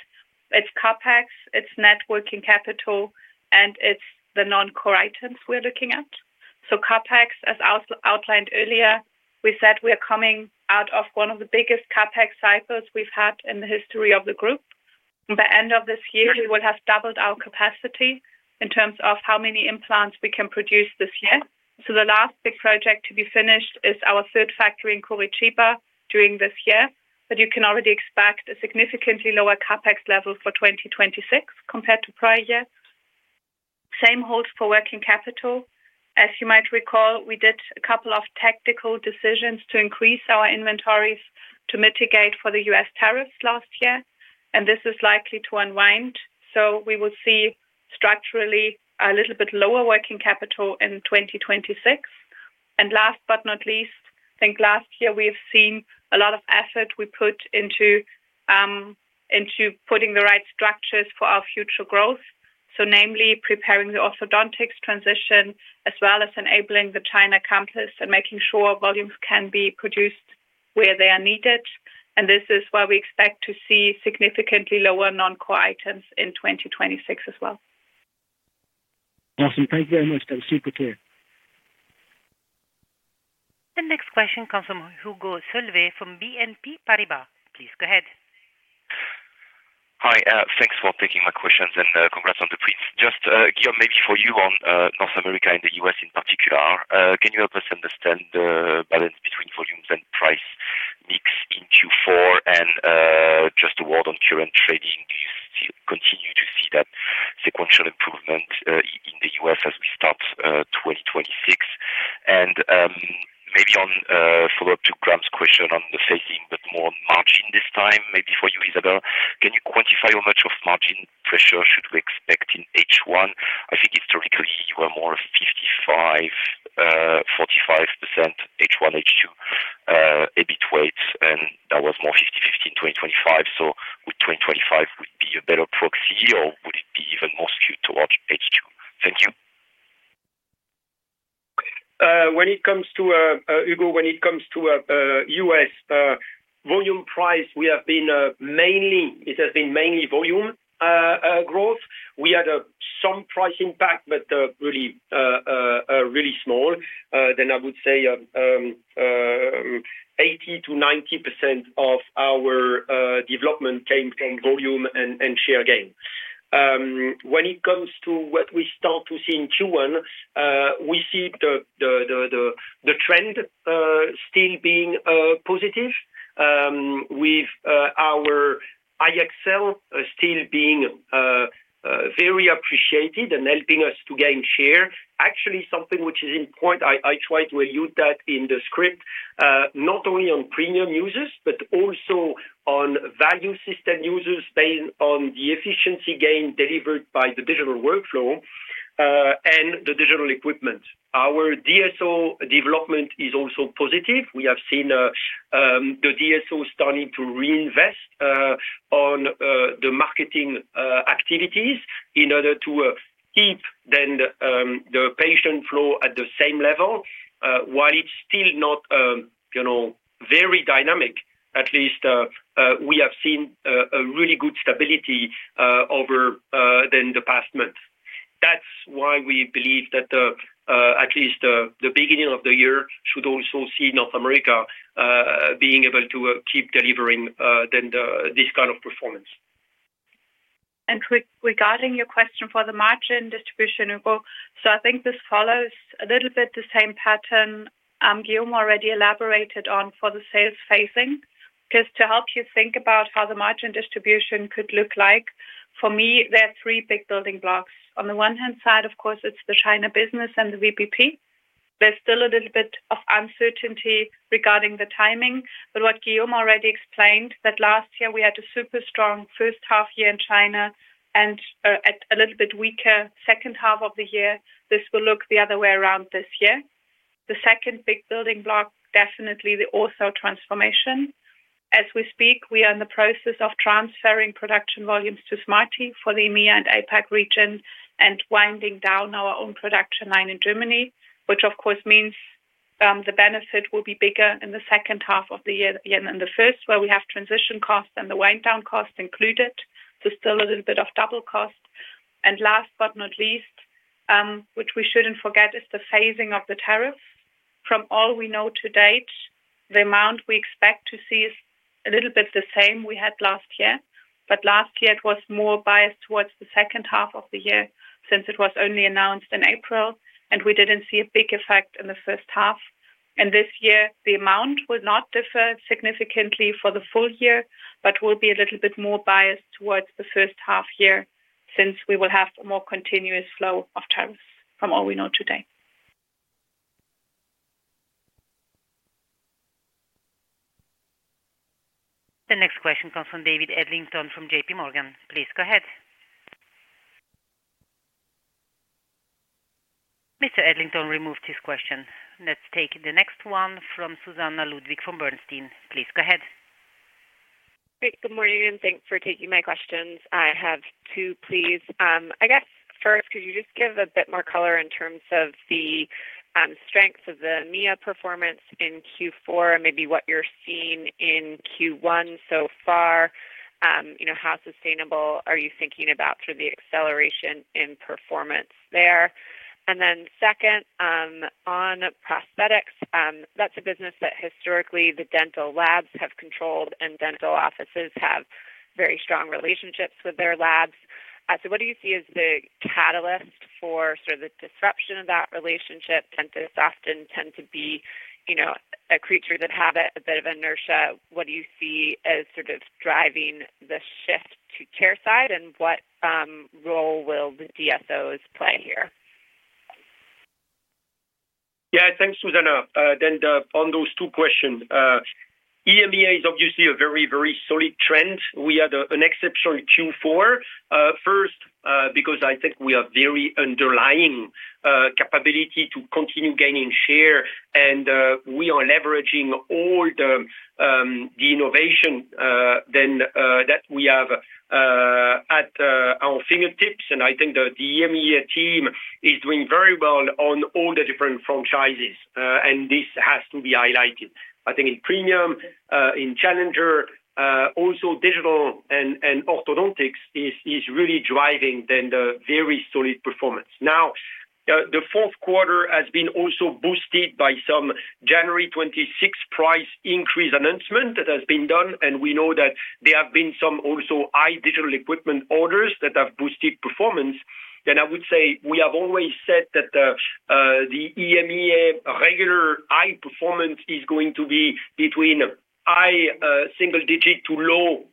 It's CapEx, it's net working capital, and it's the non-core items we're looking at. So CapEx, as outlined earlier, we said we are coming out of one of the biggest CapEx cycles we've had in the history of the group. By end of this year, we will have doubled our capacity in terms of how many implants we can produce this year. So the last big project to be finished is our third factory in Curitiba during this year, but you can already expect a significantly lower CapEx level for 2026 compared to prior years. Same holds for working capital. As you might recall, we did a couple of tactical decisions to increase our inventories to mitigate for the US tariffs last year, and this is likely to unwind. So we will see structurally a little bit lower working capital in 2026. And last but not least, I think last year we have seen a lot of effort we put into putting the right structures for our future growth. So namely, preparing the orthodontics transition, as well as enabling the China campus and making sure volumes can be produced where they are needed. And this is why we expect to see significantly lower non-core items in 2026 as well. Awesome. Thank you very much. That was super clear. The next question comes from Hugo Solvet from BNP Paribas. Please go ahead. Hi, thanks for taking my questions and, congrats on the brief. Just, Guillaume, maybe for you on, North America and the US in particular, can you help us understand the balance between volumes and price mix in Q4 and, just a word on current trading, do you still continue to see that sequential improvement in the US as we start 2026? And, maybe on, follow-up to Graham's question on the phasing, but more on margin this time, maybe for you, Isabelle. Can you quantify how much of margin pressure should we expect in H1? I think historically, you are more of 55%-45% H1, H2, EBIT weight, and that was more 50/50 in 2025. So, would 2025 be a better proxy, or would it be even more skewed towards H2? Thank you. When it comes to, Hugo, when it comes to US volume price, we have it has been mainly volume growth. We had some price impact, but really small. Then I would say, 80%-90% of our development came from volume and share gain. When it comes to what we start to see in Q1, we see the trend still being positive, with our iExcel still being very appreciated and helping us to gain share. Actually, something which is important, I tried to allude that in the script, not only on premium users, but also on value system users based on the efficiency gain delivered by the digital workflow and the digital equipment. Our DSO development is also positive. We have seen the DSO starting to reinvest on the marketing activities in order to keep then the patient flow at the same level. While it's still not, you know, very dynamic, at least we have seen a really good stability over the past month. That's why we believe that at least the beginning of the year should also see North America being able to keep delivering this kind of performance. Regarding your question for the margin distribution, Hugo, so I think this follows a little bit the same pattern Guillaume already elaborated on for the sales phasing. Just to help you think about how the margin distribution could look like, for me, there are three big building blocks. On the one hand side, of course, it's the China business and the VBP. There's still a little bit of uncertainty regarding the timing, but what Guillaume already explained, that last year we had a super strong first half year in China and a little bit weaker second half of the year. This will look the other way around this year. The second big building block, definitely the Ortho transformation. As we speak, we are in the process of transferring production volumes to Smartee for the EMEA and APAC region and winding down our own production line in Germany, which of course means, the benefit will be bigger in the second half of the year than in the first, where we have transition costs and the wind down costs included, so still a little bit of double cost. And last but not least, which we shouldn't forget, is the phasing of the tariff. From all we know to date, the amount we expect to see is a little bit the same we had last year, but last year it was more biased towards the second half of the year, since it was only announced in April, and we didn't see a big effect in the first half. This year, the amount will not differ significantly for the full year, but will be a little bit more biased towards the first half year, since we will have a more continuous flow of tariffs from all we know today. The next question comes from David Adlington from J.P. Morgan. Please go ahead. Mr. Adlington removed his question. Let's take the next one from Susannah Ludwig from Bernstein. Please go ahead. Great, good morning, and thanks for taking my questions. I have two, please. I guess first, could you just give a bit more color in terms of the strength of the EMEA performance in Q4 and maybe what you're seeing in Q1 so far? You know, how sustainable are you thinking about for the acceleration in performance there? And then second, on prosthetics, that's a business that historically the dental labs have controlled, and dental offices have very strong relationships with their labs. So what do you see as the catalyst for sort of the disruption of that relationship? Dentists often tend to be, you know, a creature that have a bit of inertia. What do you see as sort of driving the shift to chairside, and what role will the DSOs play here? Yeah, thanks, Susannah. On those two questions, EMEA is obviously a very, very solid trend. We had an exceptional Q4, first, because I think we are very underlying capability to continue gaining share and we are leveraging all the innovation that we have at our fingertips. I think the EMEA team is doing very well on all the different franchises, and this has to be highlighted. I think in premium, in challenger, also digital and orthodontics is really driving the very solid performance. Now, the Q4 has been also boosted by some January 26 price increase announcement that has been done, and we know that there have been some also high digital equipment orders that have boosted performance. We have always said that the EMEA regular high performance is going to be between high single digit to low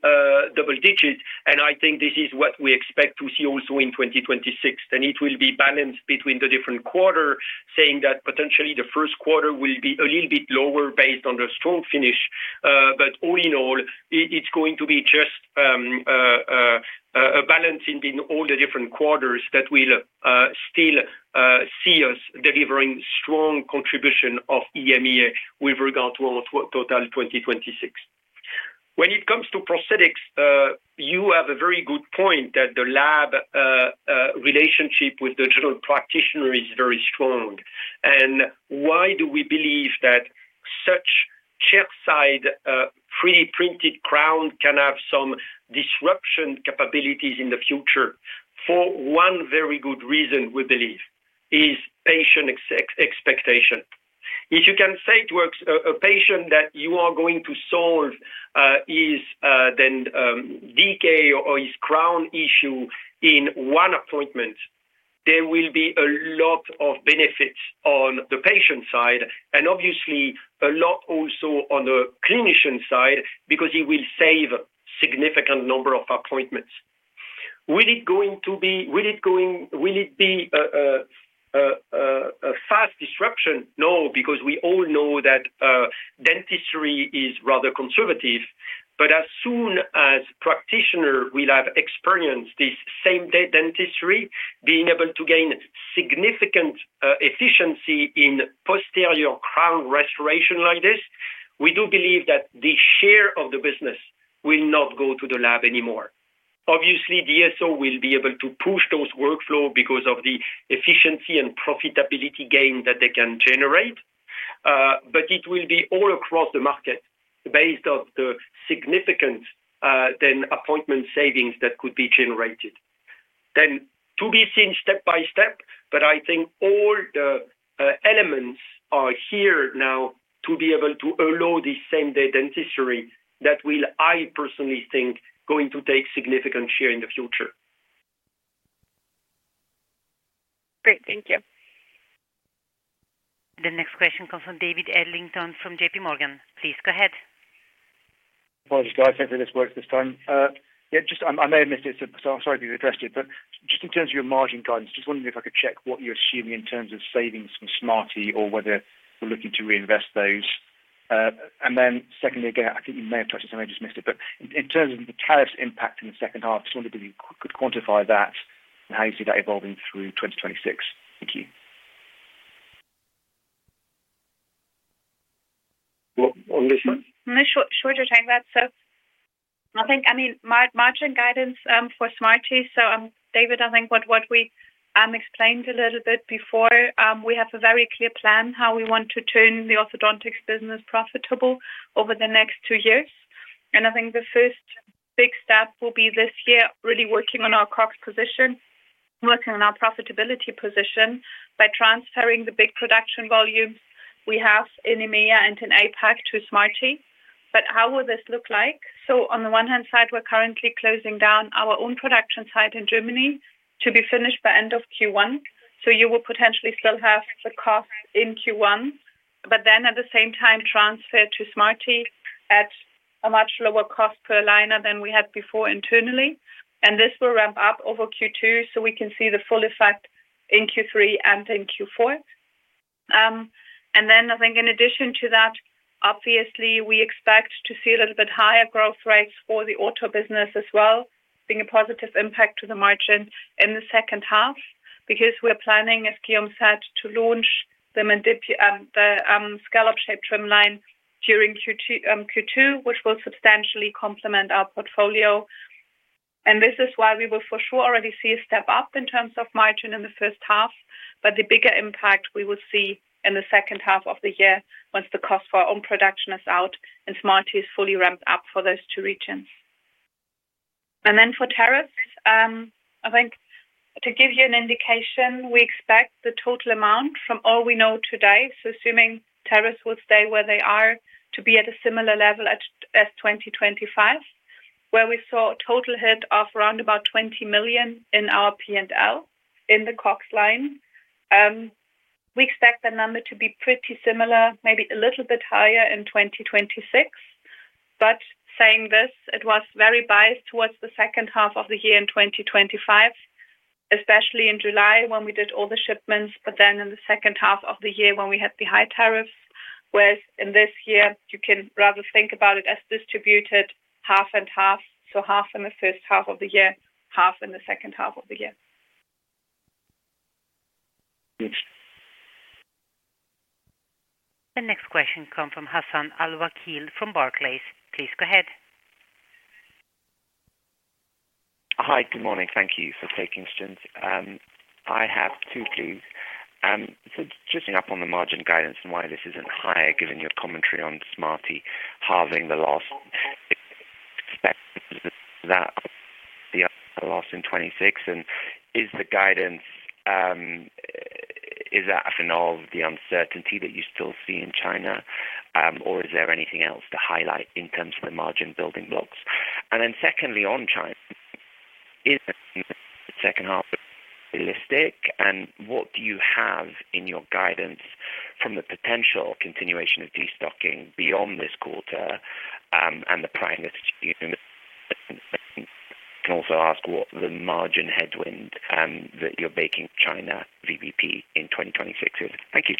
double digit, and I think this is what we expect to see also in 2026. It will be balanced between the different quarter, saying that potentially the Q1 will be a little bit lower based on the strong finish. All in all, it's going to be just a balance in all the different quarters that will still see us delivering strong contribution of EMEA with regard to our total 2026. When it comes to prosthetics, you have a very good point that the lab relationship with the general practitioner is very strong. Why do we believe that such chairside, pre-printed crown can have some disruption capabilities in the future? For one very good reason, we believe, is patient expectation. If you can say to a patient that you are going to solve his decay or his crown issue in one appointment, there will be a lot of benefits on the patient side, and obviously a lot also on the clinician side, because he will save a significant number of appointments. Will it be a fast disruption? No, because we all know that dentistry is rather conservative. As soon as practitioners will have experienced this same-day dentistry, being able to gain significant efficiency in posterior crown restoration like this, we do believe that the share of the business will not go to the lab anymore. Obviously, DSO will be able to push those workflow because of the efficiency and profitability gain that they can generate, but it will be all across the market based on the significant then appointment savings that could be generated. Then to be seen step by step, but I think all the elements are here now to be able to allow the same-day dentistry that will, I personally think, going to take significant share in the future. Great. Thank you. The next question comes from David Adlington from J.P. Morgan. Please go ahead. Apologies, guys. Hopefully, this works this time. Yeah, just, I may have missed it, so I'm sorry if you've addressed it, but just in terms of your margin guidance, just wondering if I could check what you're assuming in terms of savings from Smartee or whether you're looking to reinvest those. And then secondly, again, I think you may have touched this, I may have just missed it, but in terms of the tariffs impact in the second half, just wondering if you could quantify that and how you see that evolving through 2026. Thank you. Well, on this one? Sure. Sure to take that. So I think, I mean, margin guidance, for Smartee. So, David, I think what we explained a little bit before, we have a very clear plan how we want to turn the orthodontics business profitable over the next two years. And I think the first big step will be this year, really working on our cost position, working on our profitability position by transferring the big production volumes we have in EMEA and in APAC to Smartee. But how will this look like? So on the one hand side, we're currently closing down our own production site in Germany to be finished by end of Q1. So you will potentially still have the cost in Q1, but then at the same time, transfer to Smartee at a much lower cost per liner than we had before internally. This will ramp up over Q2, so we can see the full effect in Q3 and in Q4. And then I think in addition to that, obviously, we expect to see a little bit higher growth rates for the auto business as well, being a positive impact to the margin in the second half, because we're planning, as Guillaume said, to launch the scalloped trimline during Q2, which will substantially complement our portfolio. And this is why we will for sure already see a step up in terms of margin in the first half, but the bigger impact we will see in the second half of the year once the cost for our own production is out and Smartee is fully ramped up for those two regions. For tariffs, I think to give you an indication, we expect the total amount from all we know today, so assuming tariffs will stay where they are, to be at a similar level as 2025, where we saw a total hit of around 20 million in our P&L in the COGS line. We expect the number to be pretty similar, maybe a little bit higher in 2026. Saying this, it was very biased towards the second half of the year in 2025, especially in July, when we did all the shipments, but then in the second half of the year, when we had the high tariffs, whereas in this year, you can rather think about it as distributed half and half, so half in the first half of the year, half in the second half of the year. Thanks. The next question comes from Hassan Al-Wakeel from Barclays. Please go ahead. Hi, good morning. Thank you for taking this. I have two, please. So just up on the margin guidance and why this isn't higher, given your commentary on Smartee halving the loss. Expect that the loss in 2026, and is the guidance, is that of the uncertainty that you still see in China, or is there anything else to highlight in terms of the margin building blocks? And then secondly, on China, is the second half realistic, and what do you have in your guidance from the potential continuation of destocking beyond this quarter, and the pricing strategy? Can also ask what the margin headwind, that you're baking China VBP in 2026 is. Thank you.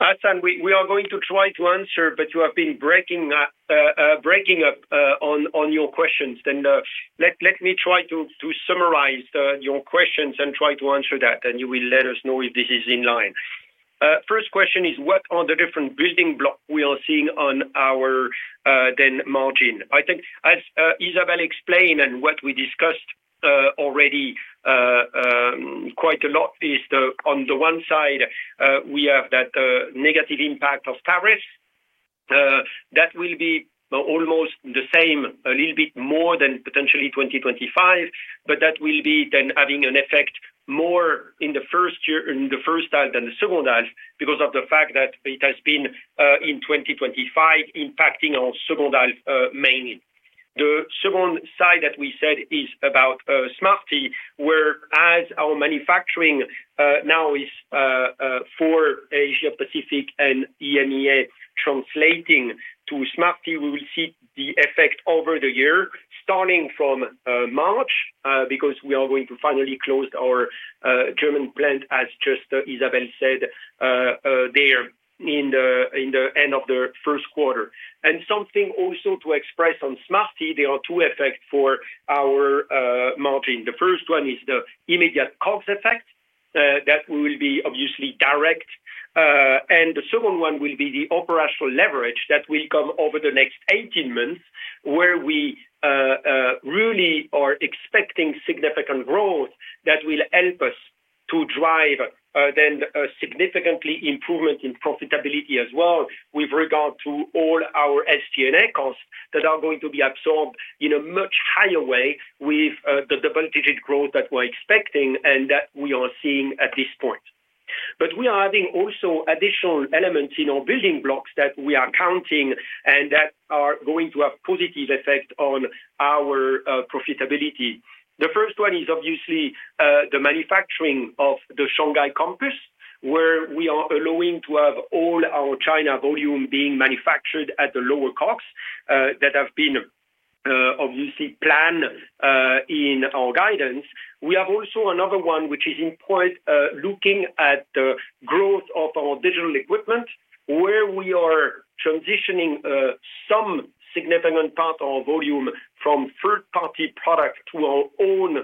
Hassan, we are going to try to answer, but you have been breaking up, breaking up on your questions. Then, let me try to summarize your questions and try to answer that, and you will let us know if this is in line. First question is, what are the different building block we are seeing on our, then margin? I think as Isabelle explained and what we discussed already, quite a lot is the on the one side, we have that, negative impact of tariffs. That will be almost the same, a little bit more than potentially 2025, but that will be then having an effect more in the first year, in the first half than the second half, because of the fact that it has been, in 2025, impacting our second half, mainly. The second side that we said is about Smartee, where as our manufacturing now is for Asia Pacific and EMEA, translating to Smartee, we will see the effect over the year, starting from March, because we are going to finally close our German plant, as just Isabelle said, there in the end of the Q1. Something also to express on Smartee, there are two effects for our margin. The first one is the immediate cost effect, that will be obviously direct. and the second one will be the operational leverage that will come over the next 18 months, where we really are expecting significant growth that will help us to drive then a significantly improvement in profitability as well, with regard to all our SG&A costs that are going to be absorbed in a much higher way with the double-digit growth that we're expecting and that we are seeing at this point. But we are adding also additional elements in our building blocks that we are counting and that are going to have positive effect on our profitability. The first one is obviously the manufacturing of the Shanghai campus, where we are allowing to have all our China volume being manufactured at the lower costs that have been obviously planned in our guidance. We have also another one, which is important, looking at the growth of our digital equipment, where we are transitioning some significant part of our volume from third-party product to our own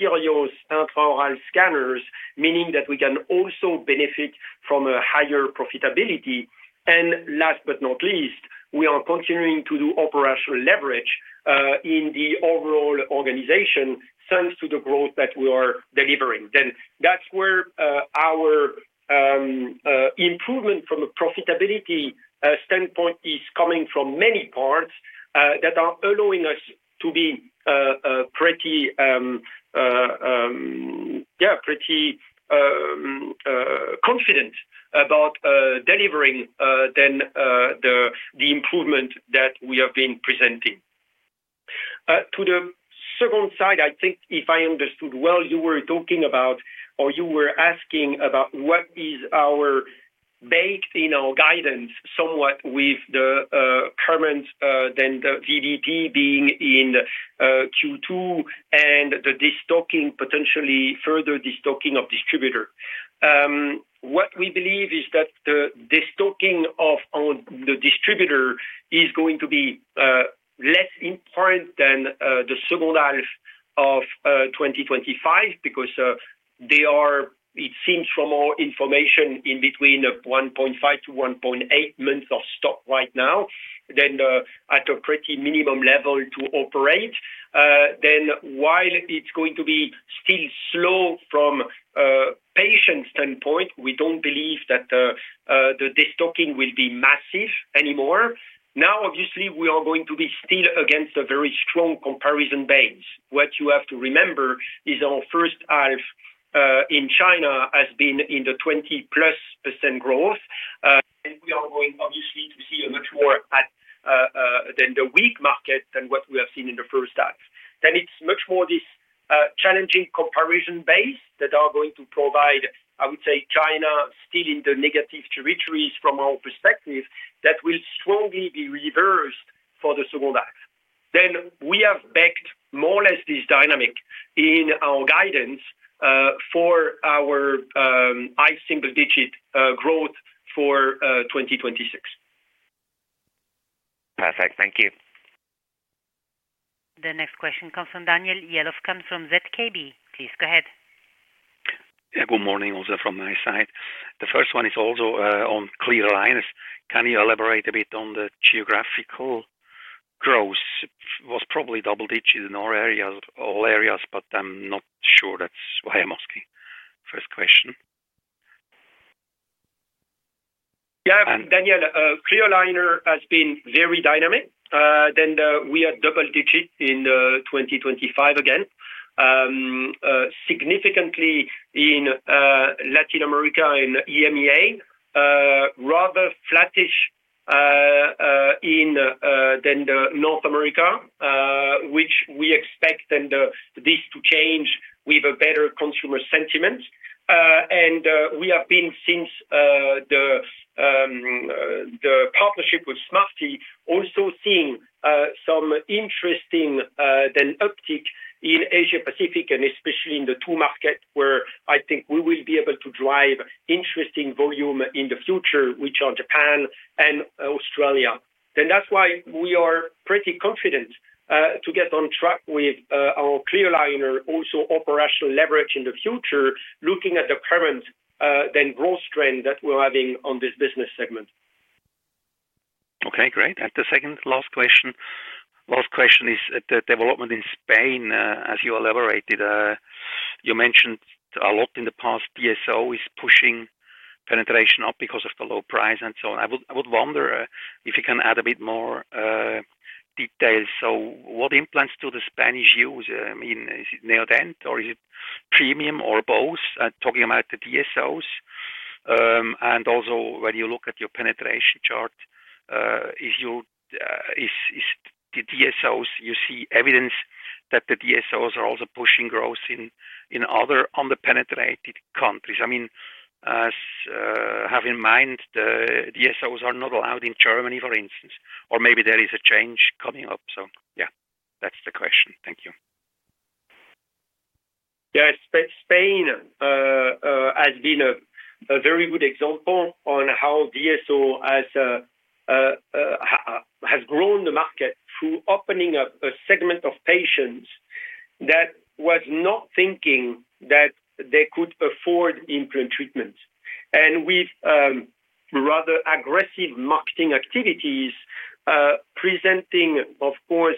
SIRIOS intraoral scanners, meaning that we can also benefit from a higher profitability. And last but not least, we are continuing to do operational leverage in the overall organization, thanks to the growth that we are delivering. Then that's where our improvement from a profitability standpoint is coming from many parts that are allowing us to be pretty, yeah, pretty confident about delivering then the improvement that we have been presenting. To the second side, I think if I understood well, you were talking about or you were asking about what is baked in our guidance, somewhat with the current VBP being in Q2 and the destocking, potentially further destocking of distributor. What we believe is that the destocking of the distributor is going to be less important than the second half of 2025, because they are, it seems from our information, in between 1.5-1.8 months of stock right now at a pretty minimum level to operate. Then while it's going to be still slow from a patient standpoint, we don't believe that the destocking will be massive anymore. Now, obviously, we are going to be still against a very strong comparison base. What you have to remember is our first half in China has been in the 20+% growth, and we are going, obviously, to see a much more than the weak market than what we have seen in the first half. Then it's much more this challenging comparison base that are going to provide, I would say, China still in the negative territories from our perspective, that will strongly be reversed for the second half. Then we have backed more or less this dynamic in our guidance for our high single-digit growth for 2026. Perfect. Thank you. The next question comes from Daniel Jelovcan, from ZKB. Please go ahead. Yeah. Good morning, also from my side. The first one is also on clear lines. Can you elaborate a bit on the geographical growth? It was probably double digits in our areas, all areas, but I'm not sure that's why I'm asking. First question. Yeah, Daniel, clear aligner has been very dynamic. We are double digits in 2025 again, significantly in Latin America. In EMEA, rather flattish, in North America, which we expect this to change with a better consumer sentiment. We have been, since the partnership with Smartee, also seeing some interesting uptick in Asia Pacific, and especially in the two markets where I think we will be able to drive interesting volume in the future, which are Japan and Australia. That's why we are pretty confident to get on track with our clear aligner, also operational leverage in the future, looking at the current growth trend that we're having on this business segment. Okay, great. And the second, last question. Last question is the development in Spain, as you elaborated, you mentioned a lot in the past, DSO is pushing penetration up because of the low price and so on. I would wonder, if you can add a bit more details. So what implants do the Spanish use? I mean, is it Neodent, or is it premium or both? Talking about the DSOs. And also, when you look at your penetration chart, is the DSOs, you see evidence that the DSOs are also pushing growth in other underpenetrated countries. I mean, as have in mind, the DSOs are not allowed in Germany, for instance, or maybe there is a change coming up. So yeah, that's the question. Thank you. Yes, Spain has been a very good example on how DSO has grown the market through opening up a segment of patients that was not thinking that they could afford implant treatment. And with rather aggressive marketing activities, presenting, of course,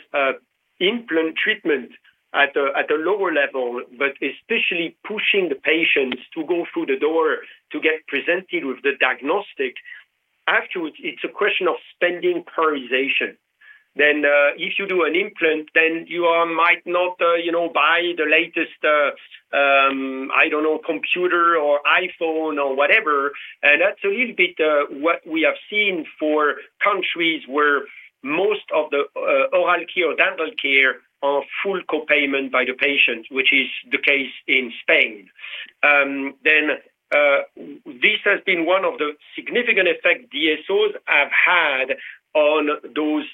implant treatment at a lower level, but especially pushing the patients to go through the door to get presented with the diagnostic. Afterwards, it's a question of spending prioritization. Then, if you do an implant, then you might not, you know, buy the latest, I don't know, computer or iPhone or whatever. And that's a little bit what we have seen for countries where most of the oral care or dental care are full co-payment by the patient, which is the case in Spain. Then... This has been one of the significant effects DSOs have had on those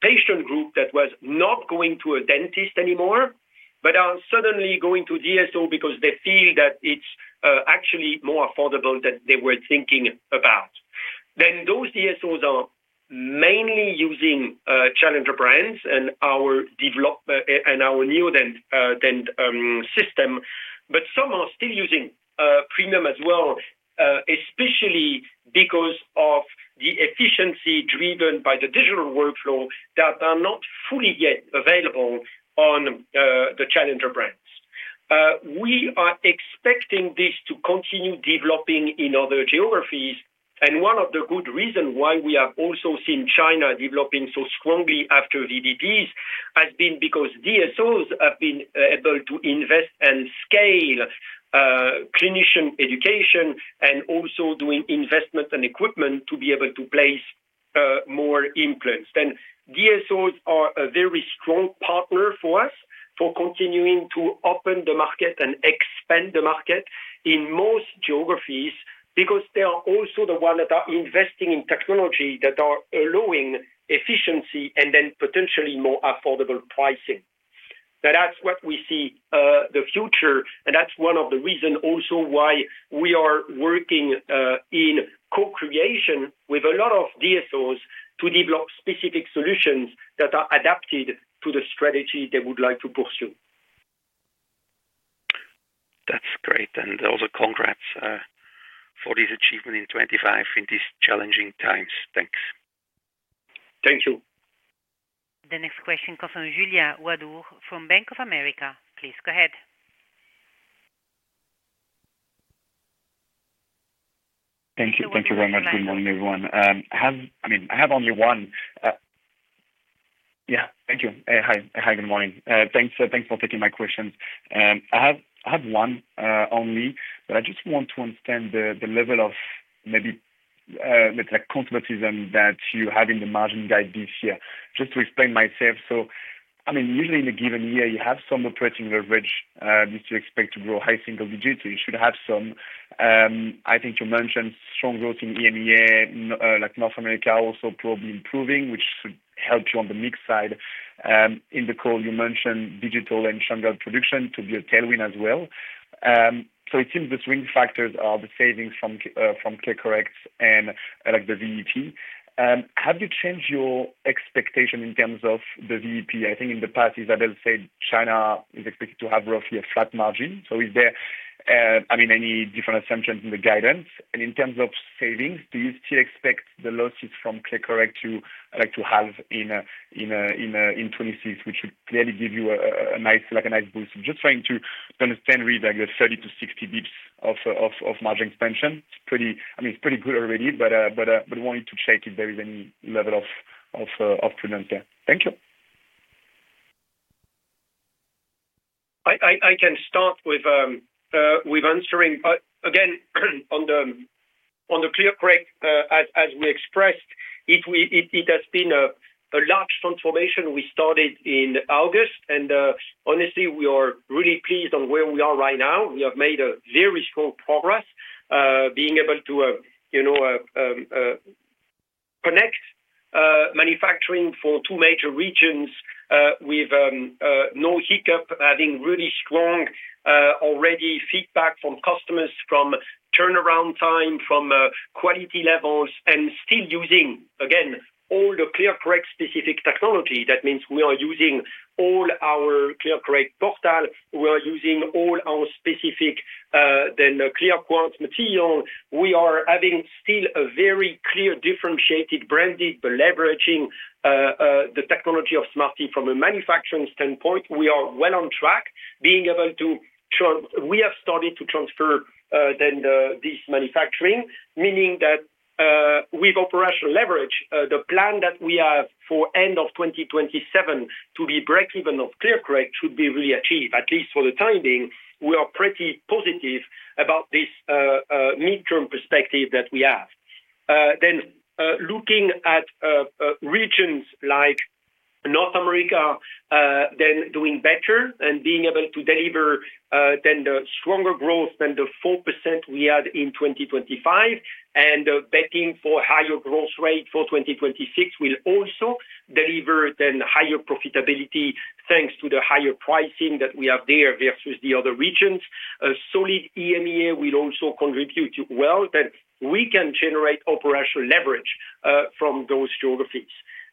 patient group that was not going to a dentist anymore, but are suddenly going to DSO because they feel that it's actually more affordable than they were thinking about. Those DSOs are mainly using Challenger brands and our new then system. Some are still using premium as well, especially because of the efficiency driven by the digital workflow that are not fully yet available on the Challenger brands. We are expecting this to continue developing in other geographies, and one of the good reasons why we have also seen China developing so strongly after VBP has been because DSOs have been able to invest and scale, clinician education and also doing investment in equipment to be able to place more implants. DSOs are a very strong partner for us, for continuing to open the market and expand the market in most geographies, because they are also the ones that are investing in technology that are allowing efficiency and then potentially more affordable pricing. That's what we see, the future, and that's one of the reasons also why we are working in co-creation with a lot of DSOs to develop specific solutions that are adapted to the strategy they would like to pursue. That's great, and also congrats for this achievement in 2025 in these challenging times. Thanks. Thank you. The next question comes from Julia Wadoux from Bank of America. Please go ahead. Thank you. Thank you very much. Good morning, everyone. I mean, I have only one. Yeah, thank you. Hi. Hi, good morning. Thanks, thanks for taking my questions. I have, I have one only, but I just want to understand the level of maybe like conservatism that you have in the margin guide this year. Just to explain myself, so, I mean, usually in a given year, you have some operating leverage, which you expect to grow high single digits, so you should have some. I think you mentioned strong growth in EMEA, like North America, also probably improving, which should help you on the mix side. In the call, you mentioned digital and stronger production to be a tailwind as well. So it seems the swing factors are the savings from ClearCorrect and like the VBP. Have you changed your expectation in terms of the VBP? I think in the past, is that they'll say China is expected to have roughly a flat margin. So is there, I mean, any different assumptions in the guidance? And in terms of savings, do you still expect the losses from ClearCorrect to have in 2026, which would clearly give you a nice boost. I'm just trying to understand really, like your 30-60 basis points of margin expansion. It's pretty good already, but wanted to check if there is any level of prudence there. Thank you. I can start with answering. Again, on the ClearCorrect, as we expressed, it has been a large transformation we started in August, and honestly, we are really pleased on where we are right now. We have made a very strong progress, being able to, you know, connect manufacturing for two major regions, with no hiccup, having really strong already feedback from customers, from turnaround time, from quality levels, and still using, again, all the ClearCorrect specific technology. That means we are using all our ClearCorrect portal. We are using all our specific then ClearQuartz material. We are having still a very clear, differentiated branding, but leveraging the technology of Smartee from a manufacturing standpoint. We are well on track. We have started to transfer this manufacturing, meaning that, with operational leverage, the plan that we have for end of 2027 to be break-even of ClearCorrect should be really achieved, at least for the time being. We are pretty positive about this, midterm perspective that we have. Then, looking at regions like North America, then doing better and being able to deliver the stronger growth than the 4% we had in 2025, and betting for higher growth rate for 2026 will also deliver higher profitability, thanks to the higher pricing that we have there versus the other regions. A solid EMEA will also contribute well, that we can generate operational leverage from those geographies.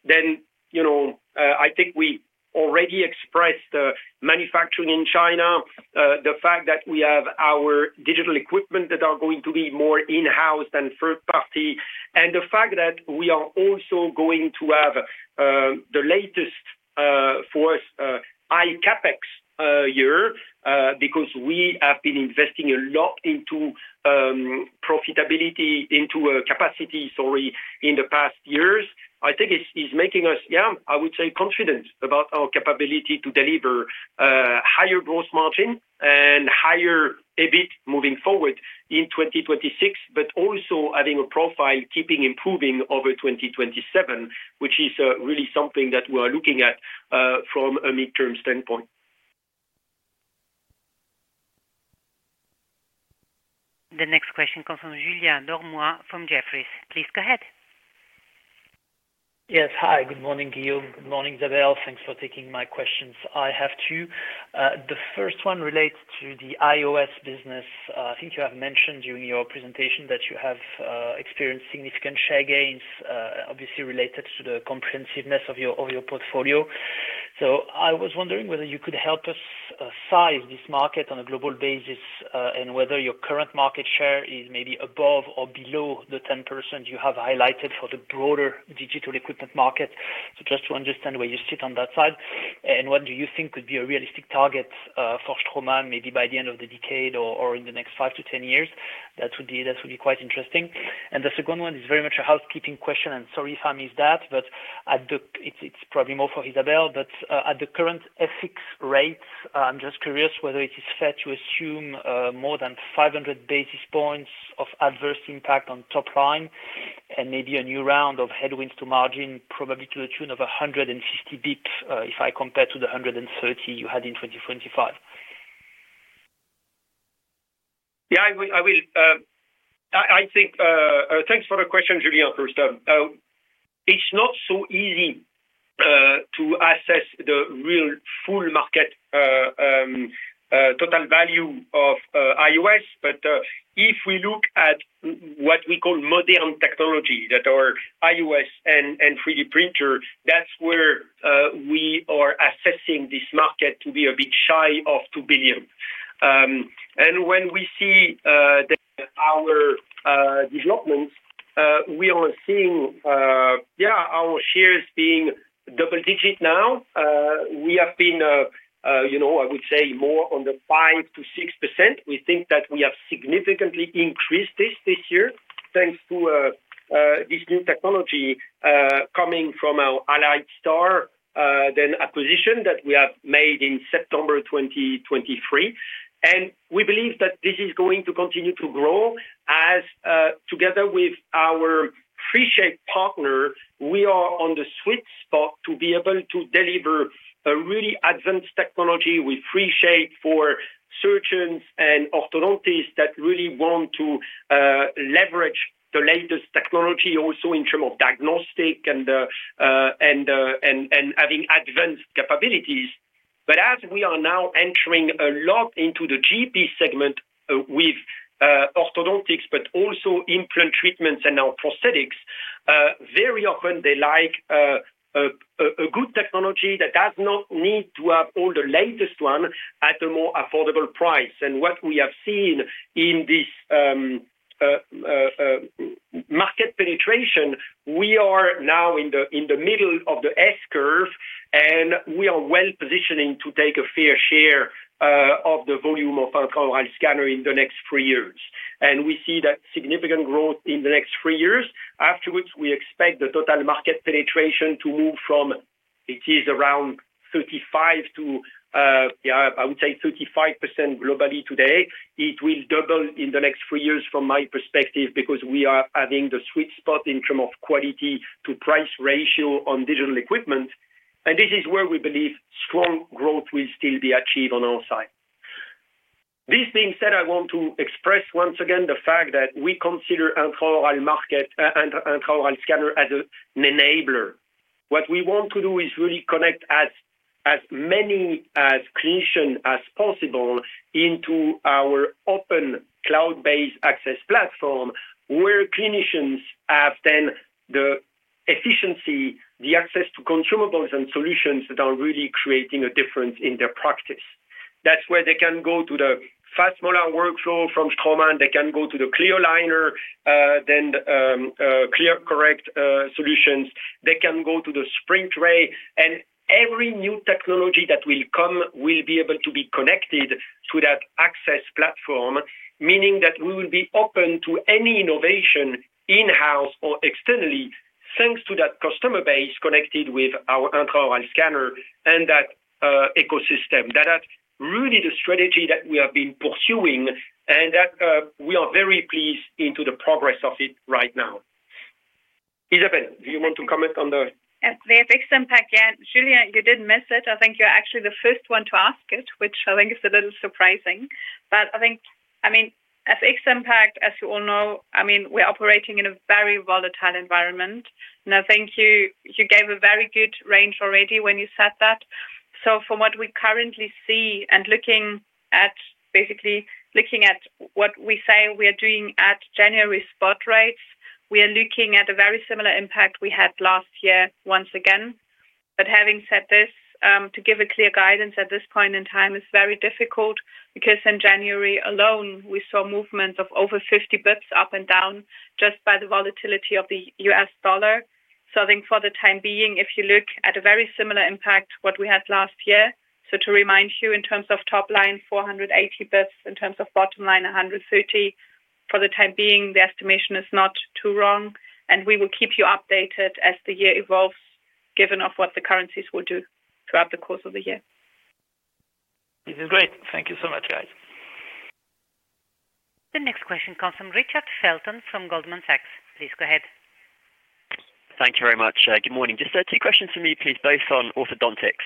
Then, you know, I think we already expressed manufacturing in China, the fact that we have our digital equipment that are going to be more in-house than third party, and the fact that we are also going to have the latest, for us, high CapEx year, because we have been investing a lot into profitability, into capacity, sorry, in the past years. I think it's making us, yeah, I would say, confident about our capability to deliver higher gross margin and higher EBIT moving forward in 2026, but also having a profile keeping improving over 2027, which is really something that we are looking at from a midterm standpoint. The next question comes from Julien Dormois from Jefferies. Please go ahead. Yes. Hi, good morning, Guillaume. Good morning, Isabelle. Thanks for taking my questions. I have two. The first one relates to the IOS business. I think you have mentioned during your presentation that you have experienced significant share gains, obviously related to the comprehensiveness of your, of your portfolio. So I was wondering whether you could help us size this market on a global basis, and whether your current market share is maybe above or below the 10% you have highlighted for the broader digital equipment market. So just to understand where you sit on that side, and what do you think could be a realistic target for Straumann, maybe by the end of the decade or in the next 5-10 years? That would be quite interesting. The second one is very much a housekeeping question, and sorry if I missed that, but it's probably more for Isabelle, but at the current FX rates, I'm just curious whether it is fair to assume more than 500 basis points of adverse impact on top line and maybe a new round of headwinds to margin, probably to the tune of 150 basis points, if I compare to the 130 you had in 2025. Yeah, I will, I will. I think, thanks for the question, Julian, first. It's not so easy to assess the real full market, total value of iOS. If we look at what we call modern technology, that are iOS and 3D printer, that's where we are assessing this market to be a bit shy of 2 billion. When we see our developments, we are seeing, yeah, our shares being double digit now. We have been, you know, I would say more on the 5%-6%. We think that we have significantly increased this this year, thanks to this new technology coming from our AlliedStar acquisition that we have made in September 2023. And we believe that this is going to continue to grow as, together with our Primescan partner, we are on the sweet spot to be able to deliver a really advanced technology with Primescan for surgeons and orthodontists that really want to leverage the latest technology also in terms of diagnostic and having advanced capabilities. But as we are now entering a lot into the GP segment with orthodontics, but also implant treatments and now prosthetics, very often they like a good technology that does not need to have all the latest one at a more affordable price. What we have seen in this market penetration, we are now in the middle of the S curve, and we are well positioning to take a fair share of the volume of intraoral scanner in the next three years. We see that significant growth in the next three years. Afterwards, we expect the total market penetration to move from, it is around 35% to, yeah, I would say 35% globally today. It will double in the next three years, from my perspective, because we are adding the sweet spot in term of quality to price ratio on digital equipment, and this is where we believe strong growth will still be achieved on our side. This being said, I want to express once again the fact that we consider intraoral market, intraoral scanner as an enabler. What we want to do is really connect as many clinicians as possible into our open cloud-based AXS platform, where clinicians have then the efficiency, the access to consumables and solutions that are really creating a difference in their practice. That's where they can go to the fast molar workflow from Straumann, they can go to the clear aligner, then, ClearCorrect solutions. They can go to the SprintRay, and every new technology that will come will be able to be connected to that AXS platform, meaning that we will be open to any innovation in-house or externally, thanks to that customer base connected with our intraoral scanner and that, ecosystem. That is really the strategy that we have been pursuing and that, we are very pleased into the progress of it right now. Isabelle, do you want to comment on the- Yeah, the FX impact, yeah. Julian, you didn't miss it. I think you're actually the first one to ask it, which I think is a little surprising. But I mean, FX impact, as you all know, I mean, we're operating in a very volatile environment. And I think you, you gave a very good range already when you said that. So from what we currently see and looking at what we say we are doing at January spot rates, we are looking at a very similar impact we had last year once again. But having said this, to give a clear guidance at this point in time is very difficult, because in January alone, we saw movements of over 50 basis points up and down just by the volatility of the US dollar. I think for the time being, if you look at a very similar impact, what we had last year, to remind you, in terms of top line, 480 basis points, in terms of bottom line, 130. For the time being, the estimation is not too wrong, and we will keep you updated as the year evolves, given what the currencies will do throughout the course of the year. This is great. Thank you so much, guys. The next question comes from Richard Felton from Goldman Sachs. Please go ahead. Thank you very much. Good morning. Just two questions for me, please, both on orthodontics.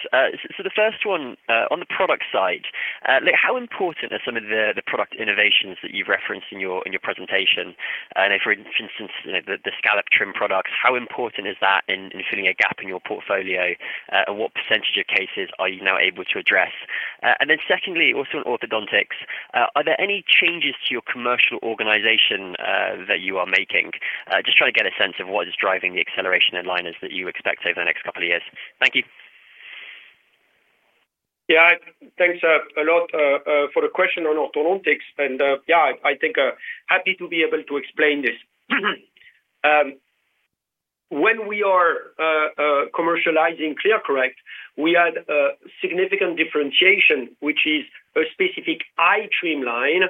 So the first one, on the product side, like how important are some of the product innovations that you've referenced in your presentation? And if, for instance, you know, the scalloped trimline products, how important is that in filling a gap in your portfolio? And what percentage of cases are you now able to address? And then secondly, also on orthodontics, are there any changes to your commercial organization that you are making? Just trying to get a sense of what is driving the acceleration in aligners that you expect over the next couple of years. Thank you. Yeah. Thanks a lot for the question on orthodontics, and yeah, I think happy to be able to explain this. When we are commercializing ClearCorrect, we had a significant differentiation, which is a specific flat trimline,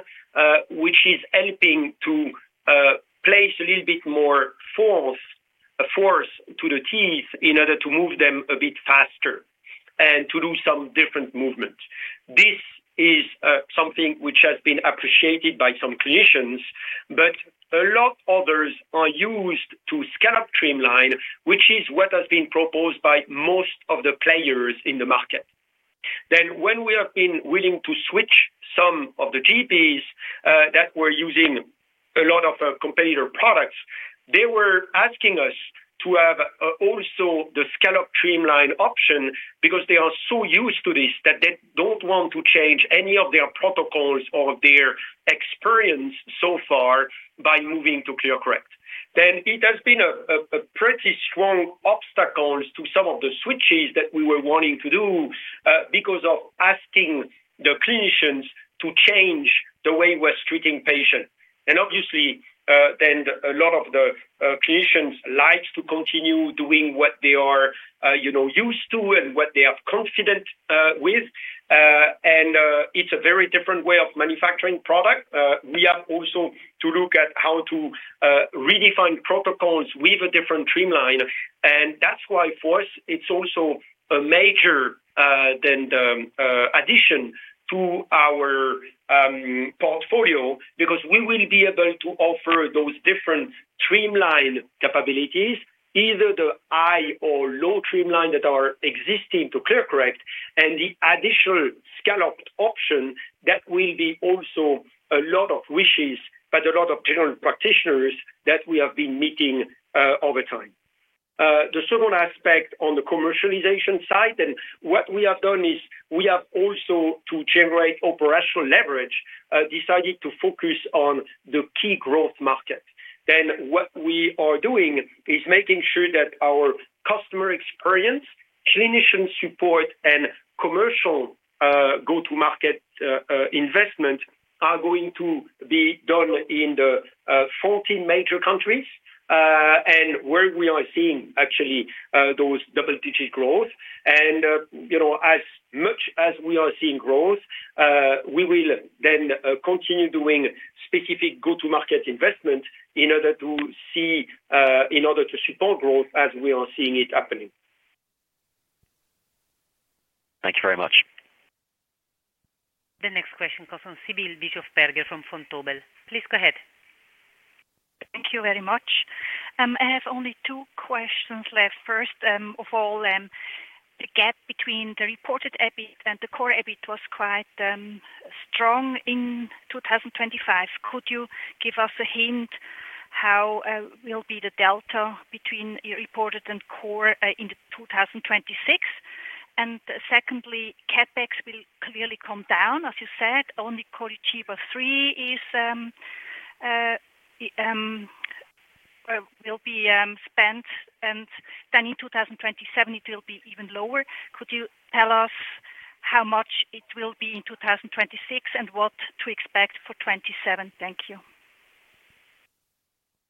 which is helping to place a little bit more force, a force to the teeth in order to move them a bit faster and to do some different movement. This is something which has been appreciated by some clinicians, but a lot others are used to scalloped trimline, which is what has been proposed by most of the players in the market. When we have been willing to switch some of the GPs that were using a lot of competitor products, they were asking us to have also the scalloped trimline option because they are so used to this that they don't want to change any of their protocols or their experience so far by moving to ClearCorrect. It has been a pretty strong obstacle to some of the switches that we were wanting to do because of asking the clinicians to change the way we're treating patients. Obviously, a lot of the clinicians like to continue doing what they are, you know, used to and what they are confident with. It's a very different way of manufacturing product. We have also to look at how to redefine protocols with a different trim line, and that's why, for us, it's also a major addition to our portfolio, because we will be able to offer those different trim line capabilities, either the high or low trim line that are existing to ClearCorrect, and the additional scalloped option that will be also a lot of wishes by a lot of general practitioners that we have been meeting over time. The second aspect on the commercialization side, and what we have done is we have also to generate operational leverage, decided to focus on the key growth market. Then, what we are doing is making sure that our customer experience, clinician support, and commercial, go-to-market, investment, are going to be done in the 14 major countries, and where we are seeing actually those double-digit growth. You know, as much as we are seeing growth, we will then continue doing specific go-to-market investment in order to see, in order to support growth as we are seeing it happening. Thank you very much. The next question comes from Sibylle Bischofberger from Vontobel. Please go ahead. Thank you very much. I have only two questions left. First, of all, the gap between the reported EBIT and the core EBIT was quite strong in 2025. Could you give us a hint how will be the delta between your reported and core into 2026? And secondly, CapEx will clearly come down. As you said, only Curitiba 3 will be spent, and then in 2027, it will be even lower. Could you tell us how much it will be in 2026 and what to expect for 2027? Thank you.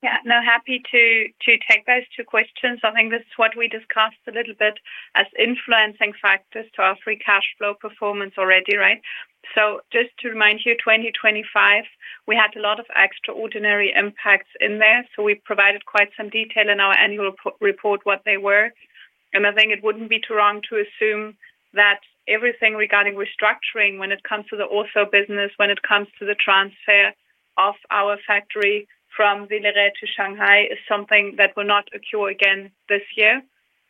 Yeah. No, happy to take those two questions. I think this is what we discussed a little bit as influencing factors to our free cash flow performance already, right? So just to remind you, 2025, we had a lot of extraordinary impacts in there, so we provided quite some detail in our annual report, what they were. And I think it wouldn't be too wrong to assume that everything regarding restructuring, when it comes to the ortho business, when it comes to the transfer of our factory from Villeret to Shanghai, is something that will not occur again this year.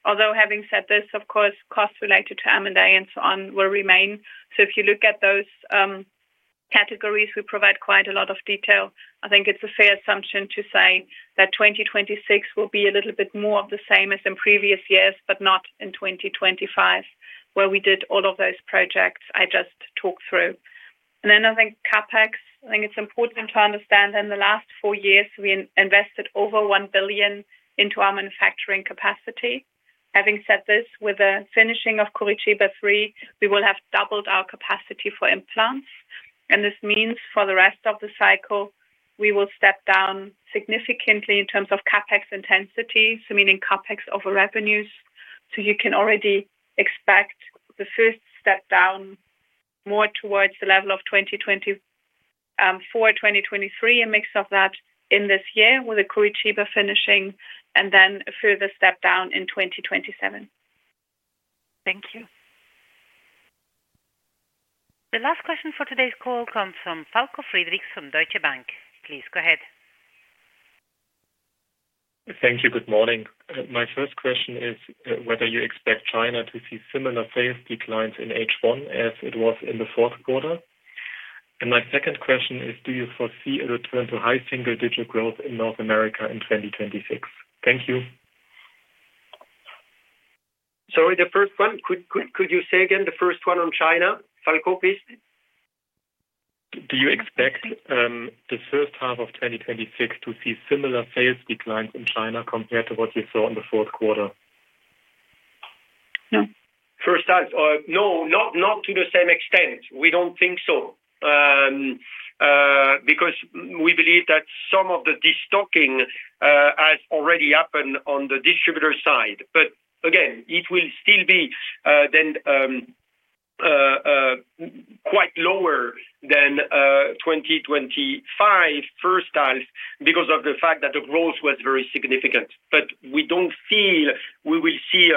Although, having said this, of course, costs related to M&A and so on, will remain. So if you look at those categories, we provide quite a lot of detail. I think it's a fair assumption to say that 2026 will be a little bit more of the same as in previous years, but not in 2025, where we did all of those projects I just talked through. And then I think CapEx, I think it's important to understand in the last four years, we invested over 1 billion into our manufacturing capacity. Having said this, with the finishing of Curitiba 3, we will have doubled our capacity for implants, and this means for the rest of the cycle, we will step down significantly in terms of CapEx intensity, so meaning CapEx over revenues. So you can already expect the first step down, more towards the level of 2024, 2023, a mix of that in this year with the Curitiba finishing, and then a further step down in 2027. Thank you. The last question for today's call comes from Falko Friedrichs from Deutsche Bank. Please go ahead. Thank you. Good morning. My first question is whether you expect China to see similar sales declines in H1 as it was in the Q4? My second question is, do you foresee a return to high single digit growth in North America in 2026? Thank you. Sorry, the first one, could you say again, the first one on China, Falko, please? Do you expect the first half of 2026 to see similar sales declines in China compared to what you saw in the Q4? No. First half, no, not to the same extent. We don't think so. Because we believe that some of the destocking has already happened on the distributor side. But again, it will still be quite lower than 2025 first half, because of the fact that the growth was very significant. But we don't feel we will see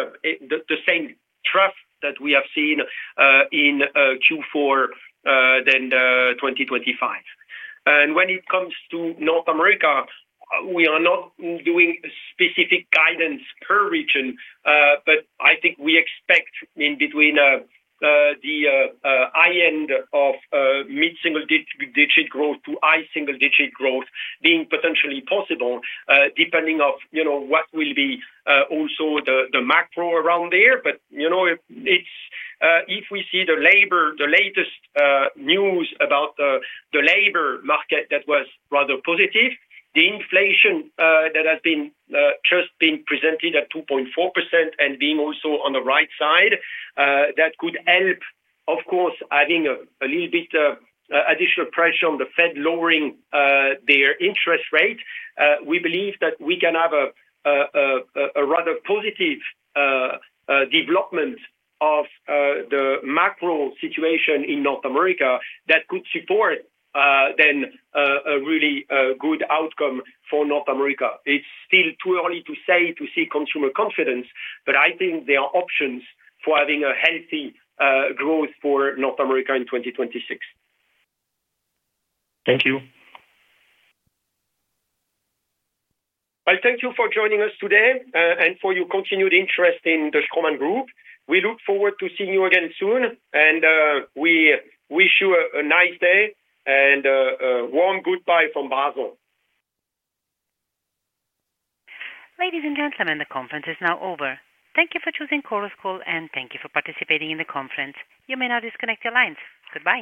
the same thrust that we have seen in Q4 than 2025. And when it comes to North America, we are not doing specific guidance per region, but I think we expect in between the high end of mid-single digit growth to high single digit growth being potentially possible, depending on you know, what will be also the macro around there. But, you know, it's if we see the labor, the latest news about the, the labor market that was rather positive, the inflation that has just been presented at 2.4% and being also on the right side, that could help, of course, adding a little bit additional pressure on the Fed, lowering their interest rate. We believe that we can have a rather positive development of the macro situation in North America that could support then a really good outcome for North America. It's still too early to say, to see consumer confidence, but I think there are options for having a healthy growth for North America in 2026. Thank you. I thank you for joining us today, and for your continued interest in the Straumann Group. We look forward to seeing you again soon, and we wish you a nice day and a warm goodbye from Basel. Ladies and gentlemen, the conference is now over. Thank you for choosing Chorus Call, and thank you for participating in the conference. You may now disconnect your lines. Goodbye.